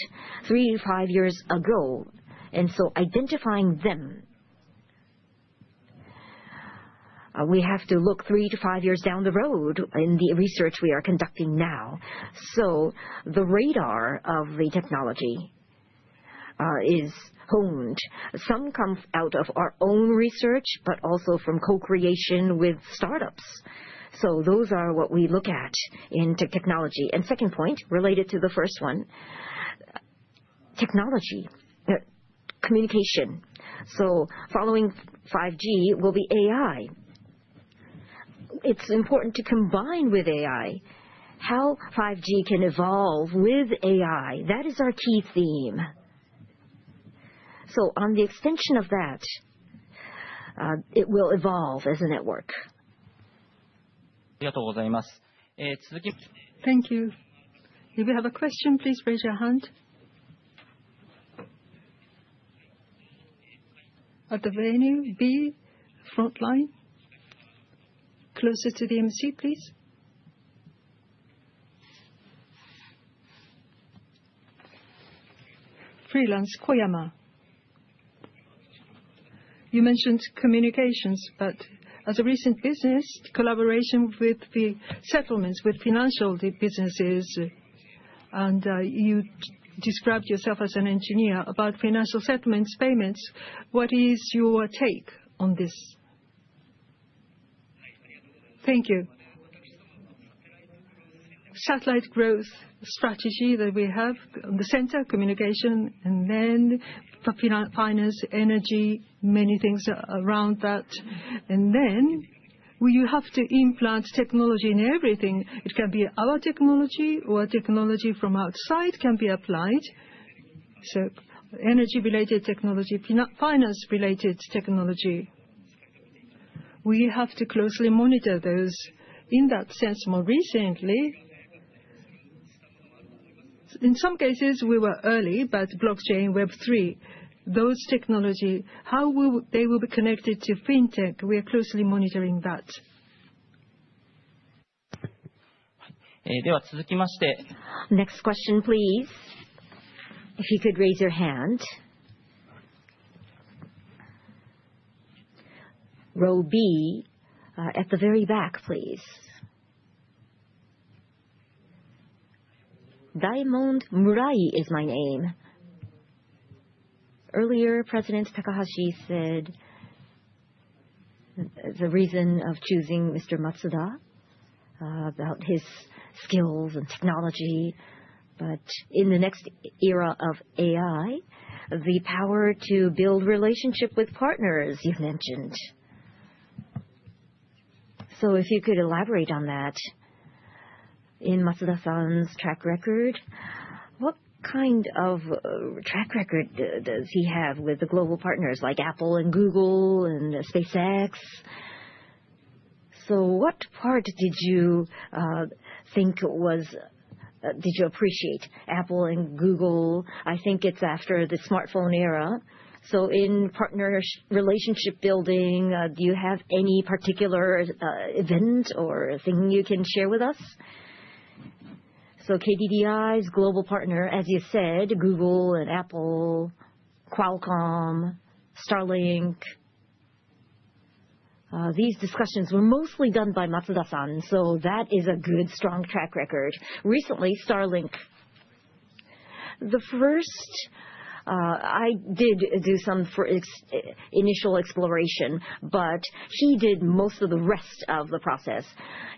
3 to 5 years ago. Identifying them, we have to look 3 to 5 years down the road in the research we are conducting now. The radar of the technology is honed. Some come out of our own research, but also from co-creation with startups. Those are what we look at in technology. Second point, related to the first one, technology, communication. Following 5G will be AI. It's important to combine with AI. How 5G can evolve with AI, that is our key theme. On the extension of that, it will evolve as a network. Thank you. If you have a question, please raise your hand. At the venue, B, front line. Closer to the MC, please. Freelance Koyama. You mentioned communications, but as a recent business collaboration with the settlements with financial businesses, and you described yourself as an engineer about financial settlements payments. What is your take on this? Thank you. Satellite Growth Strategy that we have, the center, communication, finance, energy, many things around that. We have to implant technology in everything. It can be our technology or technology from outside can be applied. Energy-related technology, finance-related technology, we have to closely monitor those. In that sense, more recently, in some cases, we were early, but blockchain, Web3, those technology, how they will be connected to fintech, we are closely monitoring that. Next question, please. If you could raise your hand. Row B, at the very back, please. Diamond Murai is my name. Earlier, President Takahashi said the reason of choosing Mr. Matsuda, about his skills and technology. In the next era of AI, the power to build relationship with partners, you've mentioned. If you could elaborate on that. In Matsuda-san's track record, what kind of track record does he have with the global partners like Apple and Google and SpaceX? What part did you appreciate? Apple and Google, I think it's after the smartphone era. In relationship building, do you have any particular event or thing you can share with us? KDDI's global partner, as you said, Google and Apple, Qualcomm, Starlink. These discussions were mostly done by Matsuda-san. That is a good, strong track record. Recently, Starlink. The first, I did do some initial exploration, but he did most of the rest of the process.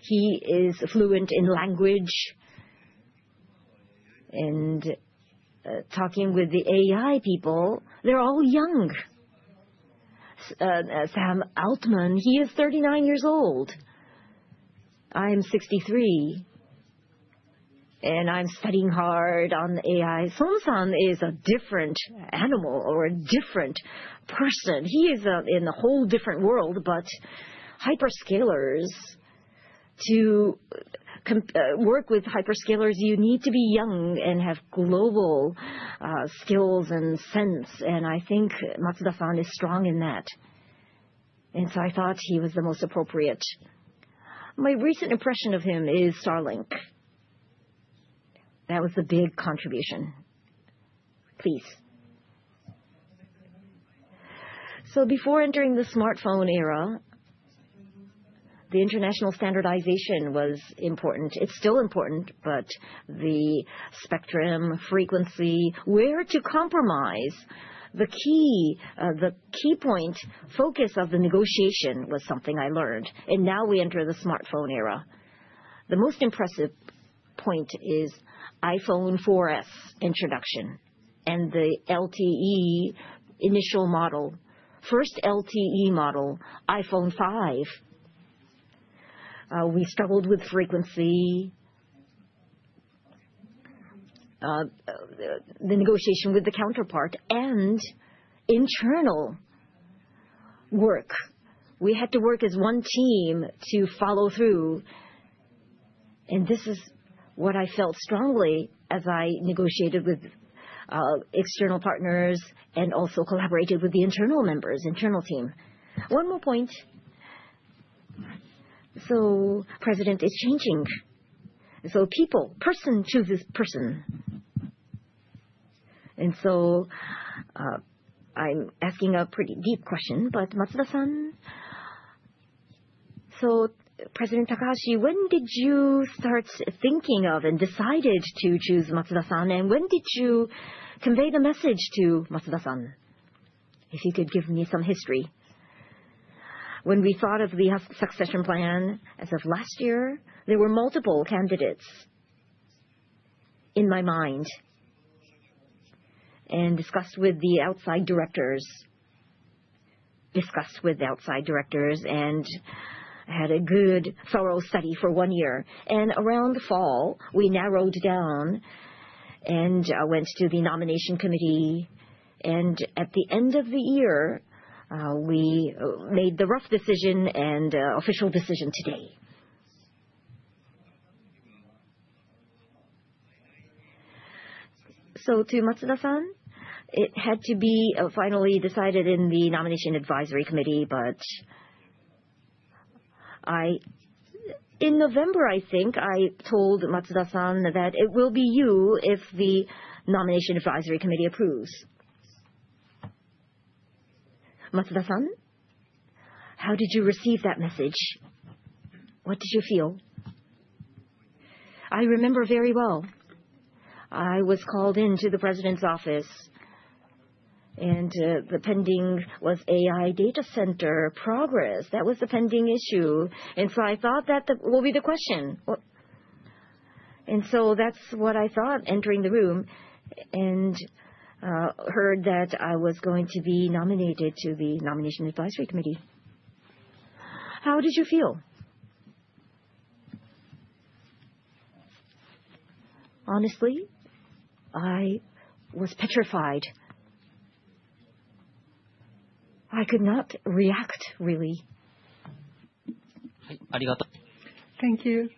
He is fluent in language, and talking with the AI people, they're all young. Sam Altman, he is 39 years old. I am 63, and I am studying hard on AI. Matsuda-san is a different animal or a different person. He is in a whole different world. To work with hyperscalers, you need to be young and have global skills and sense, and I think Matsuda-san is strong in that. I thought he was the most appropriate. My recent impression of him is Starlink. That was the big contribution. Please. Before entering the smartphone era, the international standardization was important. It's still important, the spectrum, frequency, where to compromise, the key point, focus of the negotiation was something I learned. Now we enter the smartphone era. The most impressive point is iPhone 4S introduction and the LTE initial model. First LTE model, iPhone 5. We struggled with frequency, the negotiation with the counterpart, and internal work. We had to work as one team to follow through, and this is what I felt strongly as I negotiated with external partners and also collaborated with the internal members, internal team. One more point. President is changing. People, person chooses person. I am asking a pretty deep question, but Matsuda-san. President Takahashi, when did you start thinking of and decided to choose Matsuda-san, and when did you convey the message to Matsuda-san? If you could give me some history. When we thought of the succession plan as of last year, there were multiple candidates in my mind. Discussed with outside directors, and had a good thorough study for one year. Around fall, we narrowed down and went to the nomination committee, and at the end of the year, we made the rough decision and official decision today. To Matsuda-san, it had to be finally decided in the Nomination Advisory Committee, but in November, I think, I told Matsuda-san that, "It will be you if the Nomination Advisory Committee approves." Matsuda-san, how did you receive that message? What did you feel? I remember very well. I was called into the president's office, the pending was AI data center progress. That was the pending issue. I thought that will be the question. That's what I thought entering the room, heard that I was going to be nominated to the Nomination Advisory Committee. How did you feel? Honestly, I was petrified. I could not react, really. Thank you.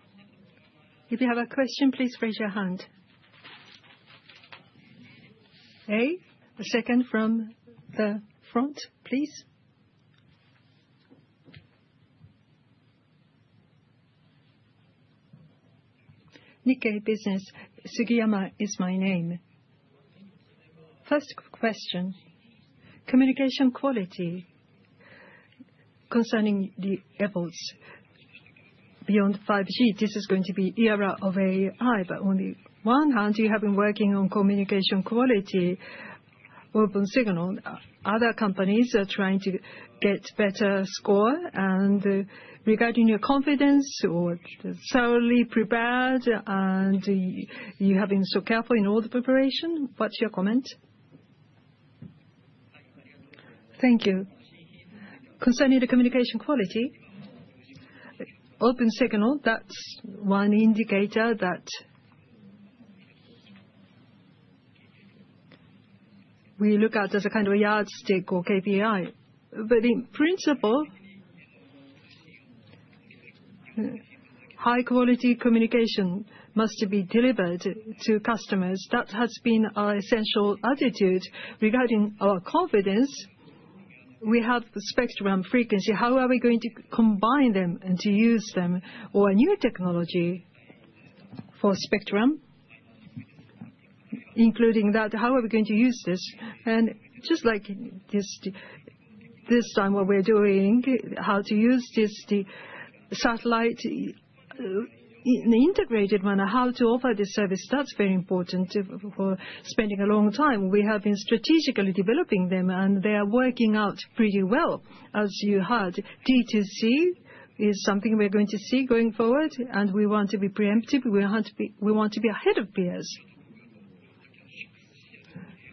If you have a question, please raise your hand. A, the second from the front, please. Nikkei Business. Sugiyama is my name. First question, communication quality concerning the efforts beyond 5G. This is going to be era of AI, on the one hand, you have been working on communication quality, Opensignal. Other companies are trying to get better score. Regarding your confidence or thoroughly prepared, you have been so careful in all the preparation, what's your comment? Thank you. Concerning the communication quality, Opensignal, that's one indicator that we look at as a kind of a yardstick or KPI. In principle, high-quality communication must be delivered to customers. That has been our essential attitude. Regarding our confidence, we have the spectrum frequency. How are we going to combine them and to use them? A new technology for spectrum, including that, how are we going to use this? Just like this time what we're doing, how to use the satellite in an integrated manner, how to offer this service, that's very important. For spending a long time, we have been strategically developing them, and they are working out pretty well, as you heard. D2C is something we're going to see going forward, and we want to be preemptive. We want to be ahead of peers.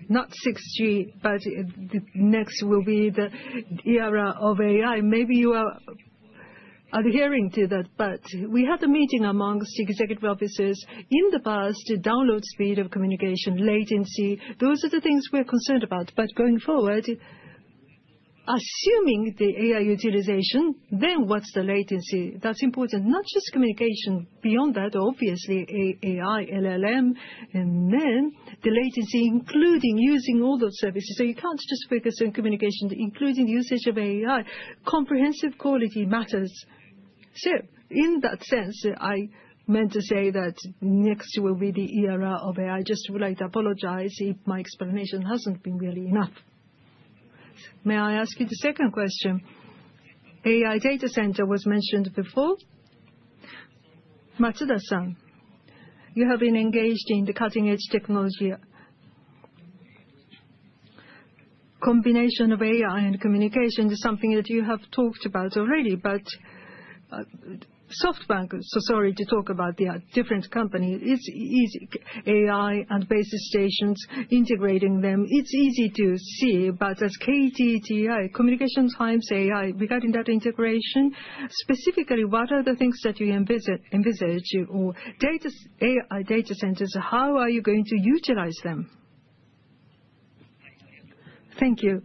Not 6G, but next will be the era of AI. Maybe you are adhering to that, but we had a meeting amongst executive officers. In the past, download speed of communication, latency, those are the things we're concerned about. Going forward, assuming the AI utilization, then what's the latency? That's important. Not just communication, beyond that, obviously, AI, LLM, and then the latency, including using all those services. You can't just focus on communication, including usage of AI. Comprehensive quality matters. In that sense, I meant to say that next will be the era of AI. Just would like to apologize if my explanation hasn't been really enough. May I ask you the second question? AI data center was mentioned before. Matsuda-san, you have been engaged in the cutting-edge technology. Combination of AI and communication is something that you have talked about already. SoftBank, so sorry to talk about the different company. AI and base stations, integrating them, it's easy to see. As KDDI, communications times AI, regarding that integration, specifically, what are the things that you envisage? Data AI data centers, how are you going to utilize them? Thank you.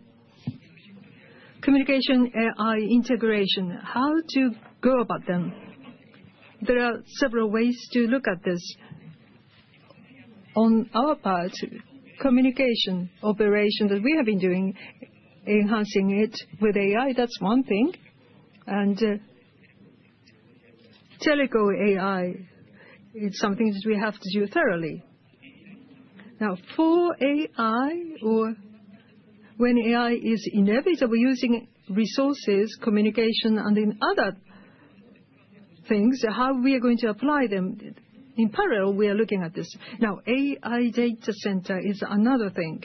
Communication AI integration, how to go about them. There are several ways to look at this. On our part, communication operation that we have been doing, enhancing it with AI, that's one thing. Teleco AI is something that we have to do thoroughly. Now, for AI, or when AI is inevitable, using resources, communication, and in other things, how we are going to apply them. In parallel, we are looking at this. Now, AI data center is another thing.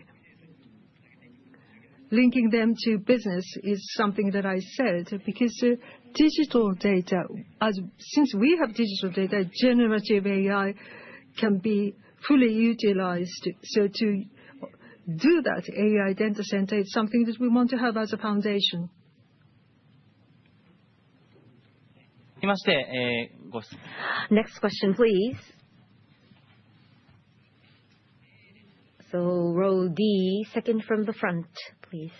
Linking them to business is something that I said, because digital data, since we have digital data, generative AI can be fully utilized. To do that AI data center is something that we want to have as a foundation. Next question, please. Row D, second from the front, please.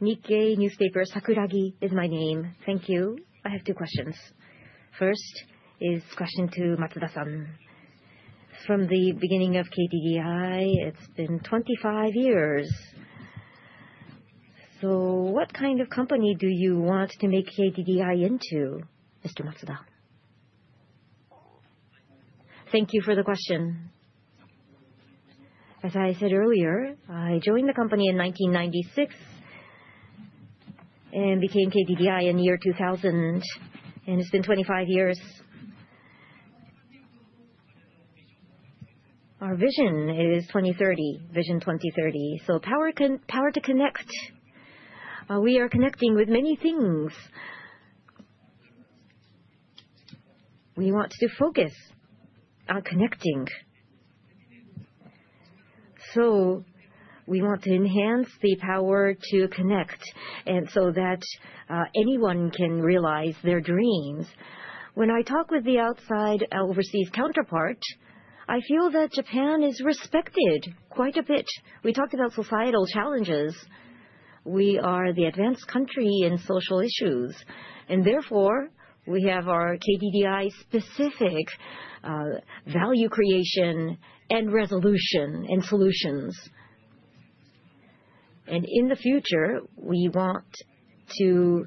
Nikkei Newspaper. Sakuragi is my name. Thank you. I have two questions. First is question to Matsuda-san. From the beginning of KDDI, it's been 25 years. What kind of company do you want to make KDDI into, Mr. Matsuda? Thank you for the question. As I said earlier, I joined the company in 1996 and became KDDI in year 2000, and it's been 25 years. Our vision is 2030, KDDI VISION 2030. Power to Connect. We are connecting with many things. We want to focus on connecting. We want to enhance the power to connect, and so that anyone can realize their dreams. When I talk with the outside overseas counterpart, I feel that Japan is respected quite a bit. We talked about societal challenges. We are the advanced country in social issues, we have our KDDI-specific value creation and resolution and solutions. In the future, we want to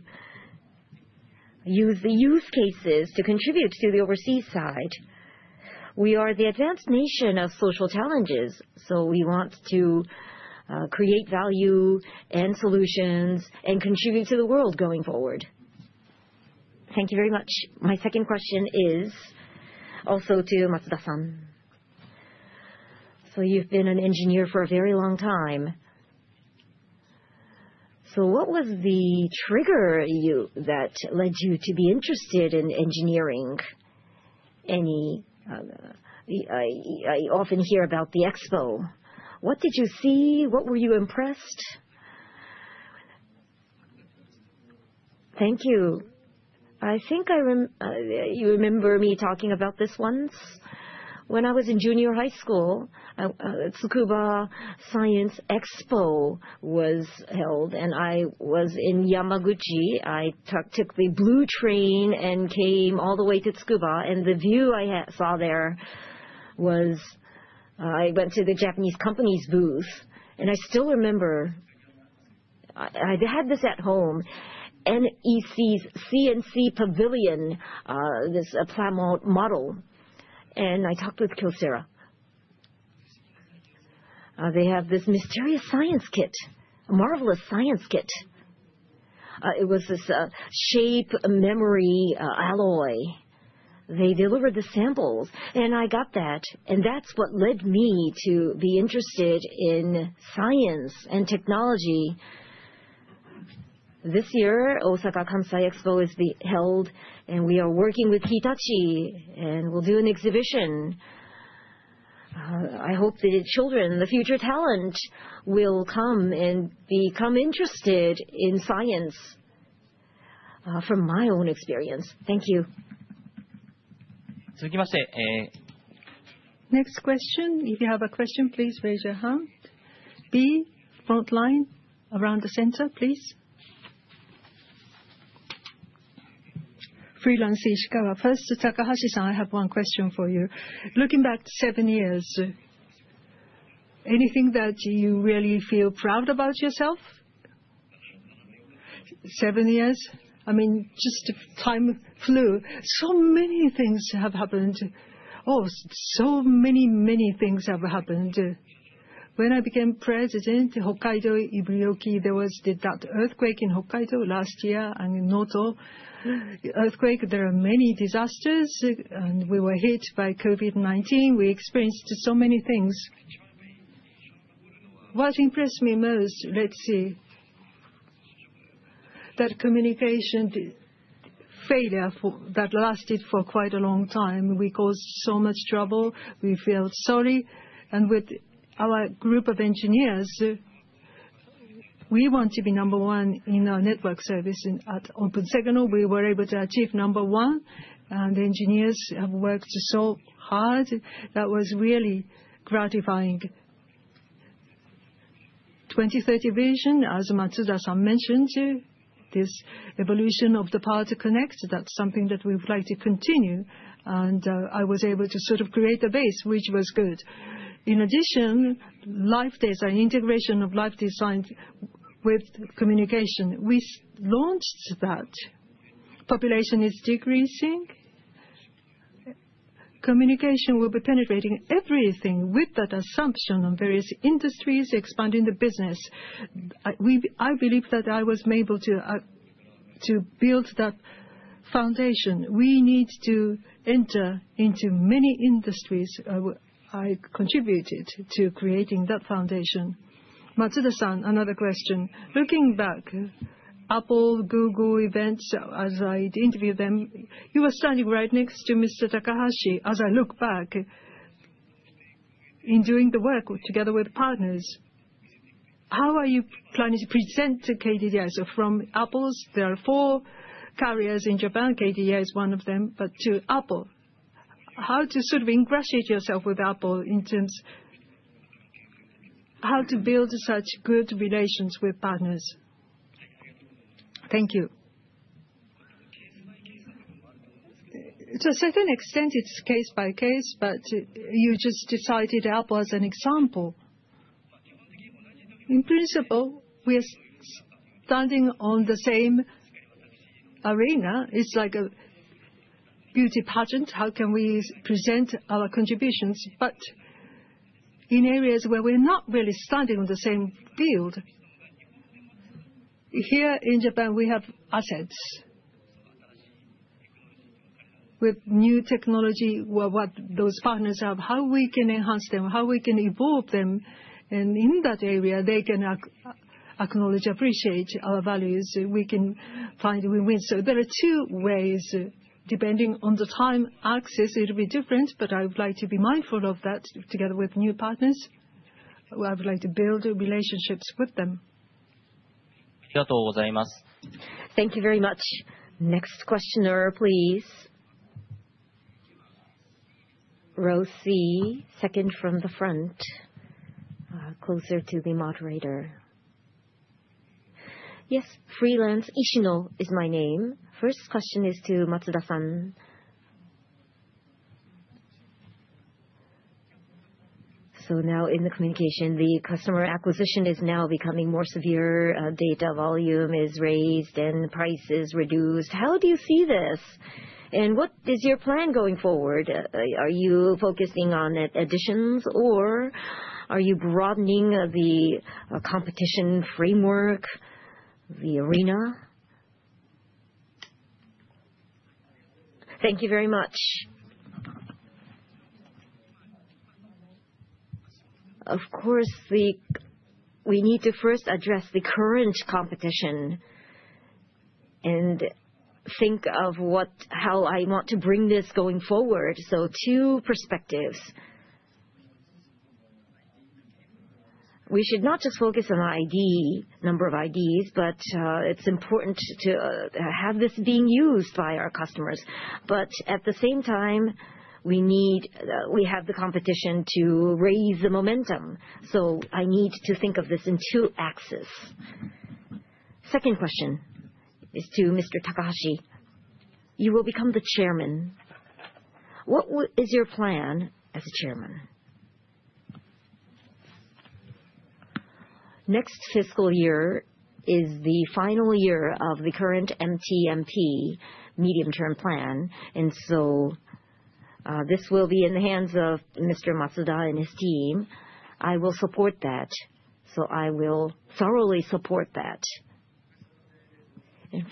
use the use cases to contribute to the overseas side. We are the advanced nation of social challenges, we want to create value and solutions and contribute to the world going forward. Thank you very much. My second question is also to Matsuda-san. You've been an engineer for a very long time. What was the trigger that led you to be interested in engineering? I often hear about the Expo. What did you see? What were you impressed? Thank you. I think you remember me talking about this once. When I was in junior high school, Tsukuba Science Expo was held, I was in Yamaguchi. I took the blue train and came all the way to Tsukuba, the view I saw there was, I went to the Japanese company's booth, I still remember, I had this at home, NEC C&C Pavilion, this model. I talked with Kyocera. They have this mysterious science kit, a marvelous science kit. It was this shape memory alloy. They delivered the samples, I got that's what led me to be interested in science and technology. This year, Osaka Kansai Expo is being held, we are working with Hitachi, we'll do an exhibition. I hope the children, the future talent, will come and become interested in science, from my own experience. Thank you. Next question. If you have a question, please raise your hand. B, front line, around the center, please. Freelance Ishikawa. First, Takahashi-san, I have one question for you. Looking back seven years, anything that you really feel proud about yourself? Seven years? I mean, just time flew. Many things have happened. Oh, many things have happened. When I became President, Hokkaido Iburi, there was that earthquake in Hokkaido last year and Noto Earthquake. There are many disasters, we were hit by COVID-19. We experienced so many things. What impressed me most, let's see. That communication failure that lasted for quite a long time. We caused so much trouble. We feel sorry. With our group of engineers, we want to be number 1 in our network service. At Opensignal, we were able to achieve number 1, the engineers have worked so hard. That was really gratifying. KDDI Vision 2030, as Matsuda-san mentioned, this evolution of the power to connect, that's something that we would like to continue. I was able to sort of create a base, which was good. In addition, life design, integration of life design with communication. We launched that. Population is decreasing. Communication will be penetrating everything with that assumption on various industries expanding the business. I believe that I was able to build that foundation. We need to enter into many industries. I contributed to creating that foundation. Matsuda-san, another question. Looking back, Apple, Google events, as I'd interview them, you were standing right next to Mr. Takahashi, as I look back, in doing the work together with partners, how are you planning to present to KDDI? From Apple, there are four carriers in Japan, KDDI is one of them. To Apple, how to sort of ingratiate yourself with Apple in terms. How to build such good relations with partners? Thank you. To a certain extent, it is case by case, but you just cited Apple as an example. In principle, we are standing on the same arena. It is like a beauty pageant. How can we present our contributions? In areas where we are not really standing on the same field, here in Japan, we have assets. With new technology, what those partners have, how we can enhance them, how we can evolve them. In that area, they can acknowledge, appreciate our values. We can find win-win. There are two ways. Depending on the time axis, it will be different, but I would like to be mindful of that together with new partners. I would like to build relationships with them. Thank you very much. Next questioner, please. Row C, second from the front, closer to the moderator. Yes. Freelance, Junya is my name. First question is to Matsuda-san. Now in the communication, the customer acquisition is now becoming more severe. Data volume is raised and price is reduced. How do you see this? What is your plan going forward? Are you focusing on additions or are you broadening the competition framework, the arena? Thank you very much. Of course, we need to first address the current competition and think of how I want to bring this going forward. Two perspectives. We should not just focus on ID, number of IDs, but it's important to have this being used by our customers. At the same time, we have the competition to raise the momentum. I need to think of this in two axes. Second question is to Mr. Takahashi. You will become the chairman. What is your plan as a chairman? Next fiscal year is the final year of the current MTMP, Medium-Term Plan. This will be in the hands of Mr. Matsuda and his team. I will support that. I will thoroughly support that.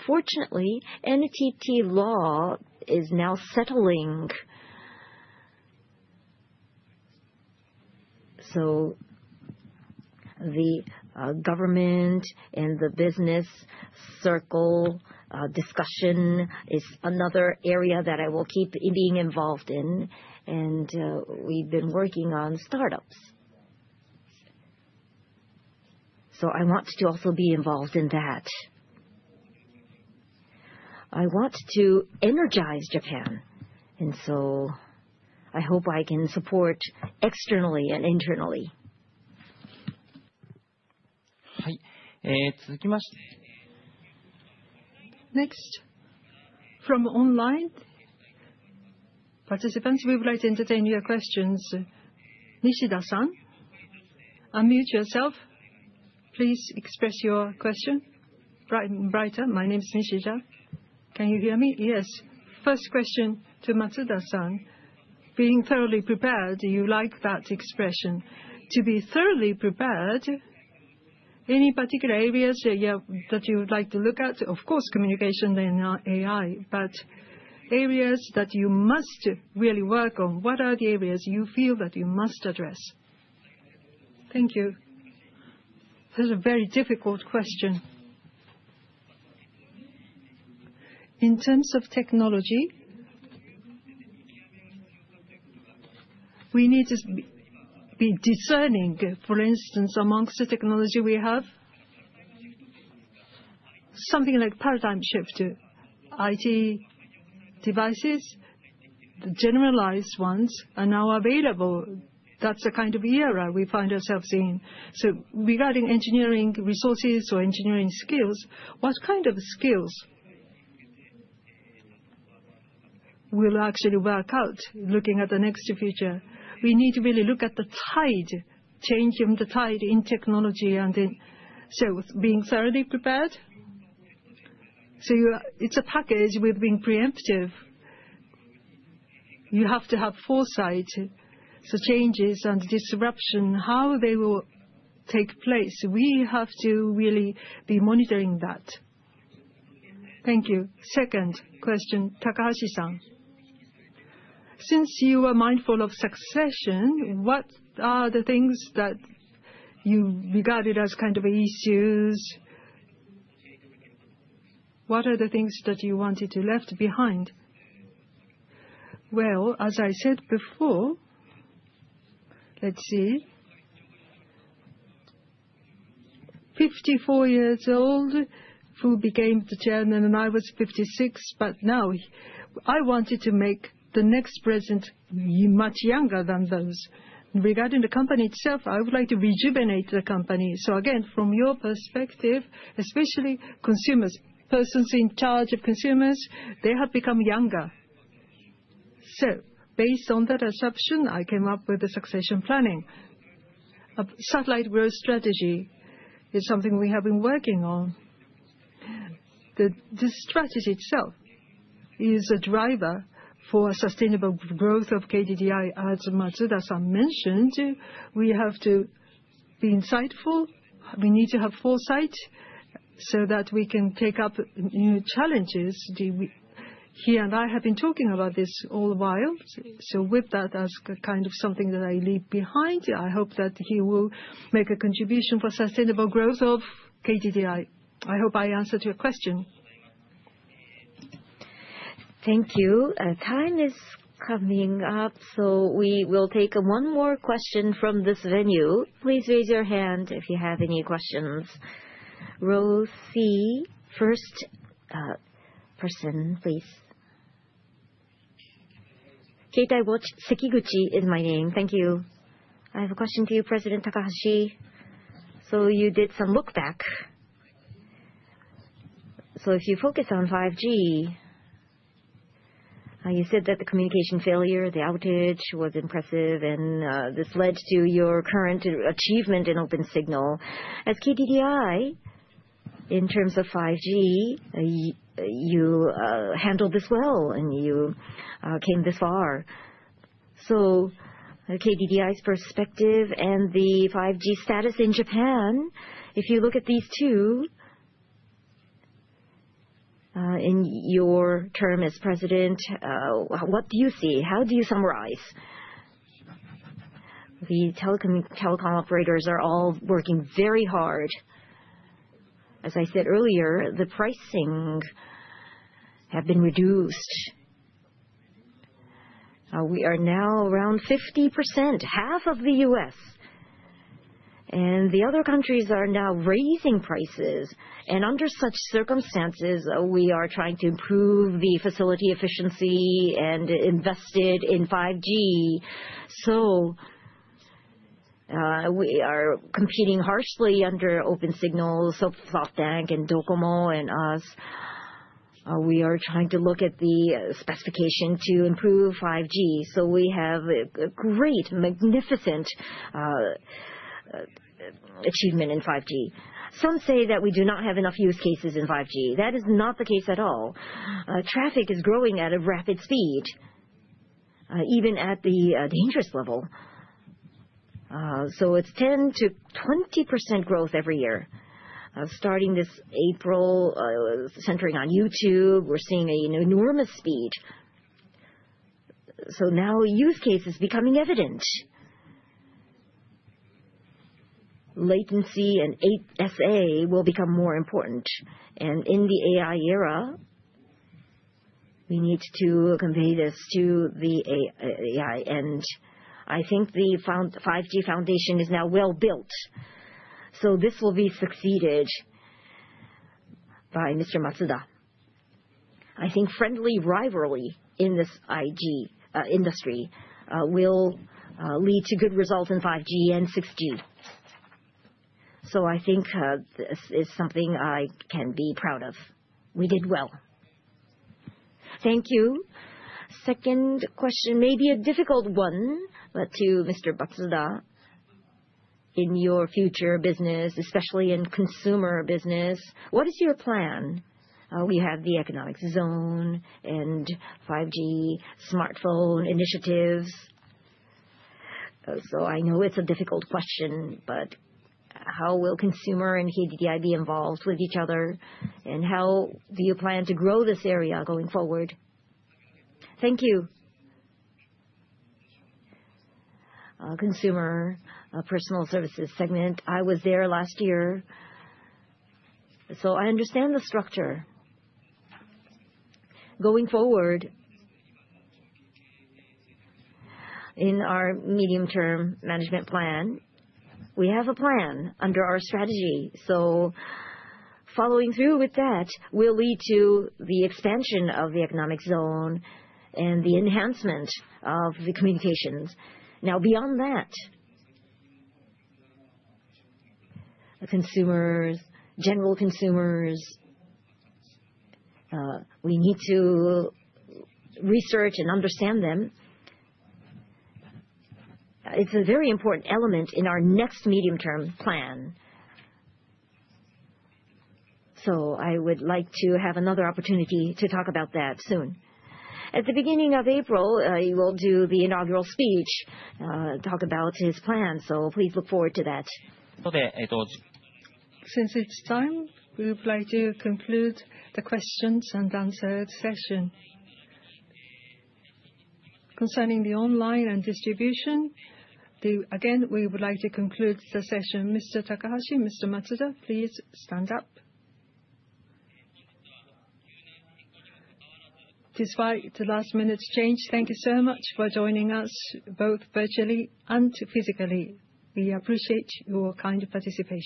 Fortunately, NTT law is now settling. The government and the business circle discussion is another area that I will keep being involved in, and we've been working on startups. I want to also be involved in that. I want to energize Japan, I hope I can support externally and internally. Next, from online participants, we would like to entertain your questions. Nishida-san, unmute yourself. Please express your question. Brighter. My name is Nishida. Can you hear me? Yes. First question to Matsuda-san. Being thoroughly prepared, do you like that expression? To be thoroughly prepared, any particular areas that you would like to look at? Of course, communication and AI, areas that you must really work on. What are the areas you feel that you must address? Thank you. That is a very difficult question. In terms of technology, we need to be discerning. For instance, amongst the technology we have, something like paradigm shift, IT devices, generalized ones are now available. That's the kind of era we find ourselves in. Regarding engineering resources or engineering skills, what kind of skills will actually work out looking at the next future? We need to really look at the tide, changing the tide in technology. Being thoroughly prepared, it's a package with being preemptive. You have to have foresight. Changes and disruption, how they will take place, we have to really be monitoring that. Thank you. Second question, Takahashi-san. Since you are mindful of succession, what are the things that you regarded as issues? What are the things that you wanted to leave behind? As I said before, let's see. 54 years old, Fu became the chairman and I was 56, but now I wanted to make the next president much younger than those. Regarding the company itself, I would like to rejuvenate the company. Again, from your perspective, especially consumers, persons in charge of consumers, they have become younger. Based on that assumption, I came up with the succession planning. A Satellite Growth Strategy is something we have been working on. The strategy itself is a driver for sustainable growth of KDDI. As Matsuda-san mentioned, be insightful. We need to have foresight so that we can take up new challenges. He and I have been talking about this all the while. With that, as something that I leave behind, I hope that he will make a contribution for sustainable growth of KDDI. I hope I answered your question. Thank you. Time is coming up, we will take one more question from this venue. Please raise your hand if you have any questions. Row C, first person, please. Keitai Watch, Sekiguchi, in my name. Thank you. I have a question for you, President Takahashi. You did some look back. If you focus on 5G, you said that the communication failure, the outage, was impressive and this led to your current achievement in Opensignal. As KDDI, in terms of 5G, you handled this well, and you came this far. KDDI's perspective and the 5G status in Japan, if you look at these two in your term as president, what do you see? How do you summarize? The telecom operators are all working very hard. As I said earlier, the pricing has been reduced. We are now around 50%, half of the U.S., and the other countries are now raising prices, and under such circumstances, we are trying to improve the facility efficiency and invest in 5G. We are competing harshly under Opensignal, SoftBank and Docomo and us. We are trying to look at the specification to improve 5G. We have a great, magnificent achievement in 5G. Some say that we do not have enough use cases in 5G. That is not the case at all. Traffic is growing at a rapid speed, even at the dangerous level. It's 10%-20% growth every year. Starting this April, centering on YouTube, we're seeing an enormous speed. Now a use case is becoming evident. Latency and SA will become more important. In the AI era, we need to convey this to the AI. I think the 5G foundation is now well-built. This will be succeeded by Mr. Matsuda. I think friendly rivalry in this ICT industry will lead to good results in 5G and 6G. I think this is something I can be proud of. We did well. Thank you. Second question may be a difficult one, but to Mr. Matsuda. In your future business, especially in consumer business, what is your plan? We have the economic zone and 5G smartphone initiatives. I know it's a difficult question, but how will consumer and KDDI be involved with each other? How do you plan to grow this area going forward? Thank you. Consumer personal services segment, I was there last year, so I understand the structure. Going forward, in our Mid-Term Management Strategy, we have a plan under our strategy. Following through with that will lead to the expansion of the economic zone and the enhancement of the communications. Beyond that, consumers, general consumers, we need to research and understand them. It's a very important element in our next Mid-Term Management Strategy. I would like to have another opportunity to talk about that soon. At the beginning of April, he will do the inaugural speech, talk about his plan. Please look forward to that. Okay, it ends. Since it's time, we would like to conclude the questions and answer session. Concerning the online and distribution, again, we would like to conclude the session. Mr. Takahashi, Mr. Matsuda, please stand up. Despite the last-minute change, thank you so much for joining us both virtually and physically. We appreciate your kind participation.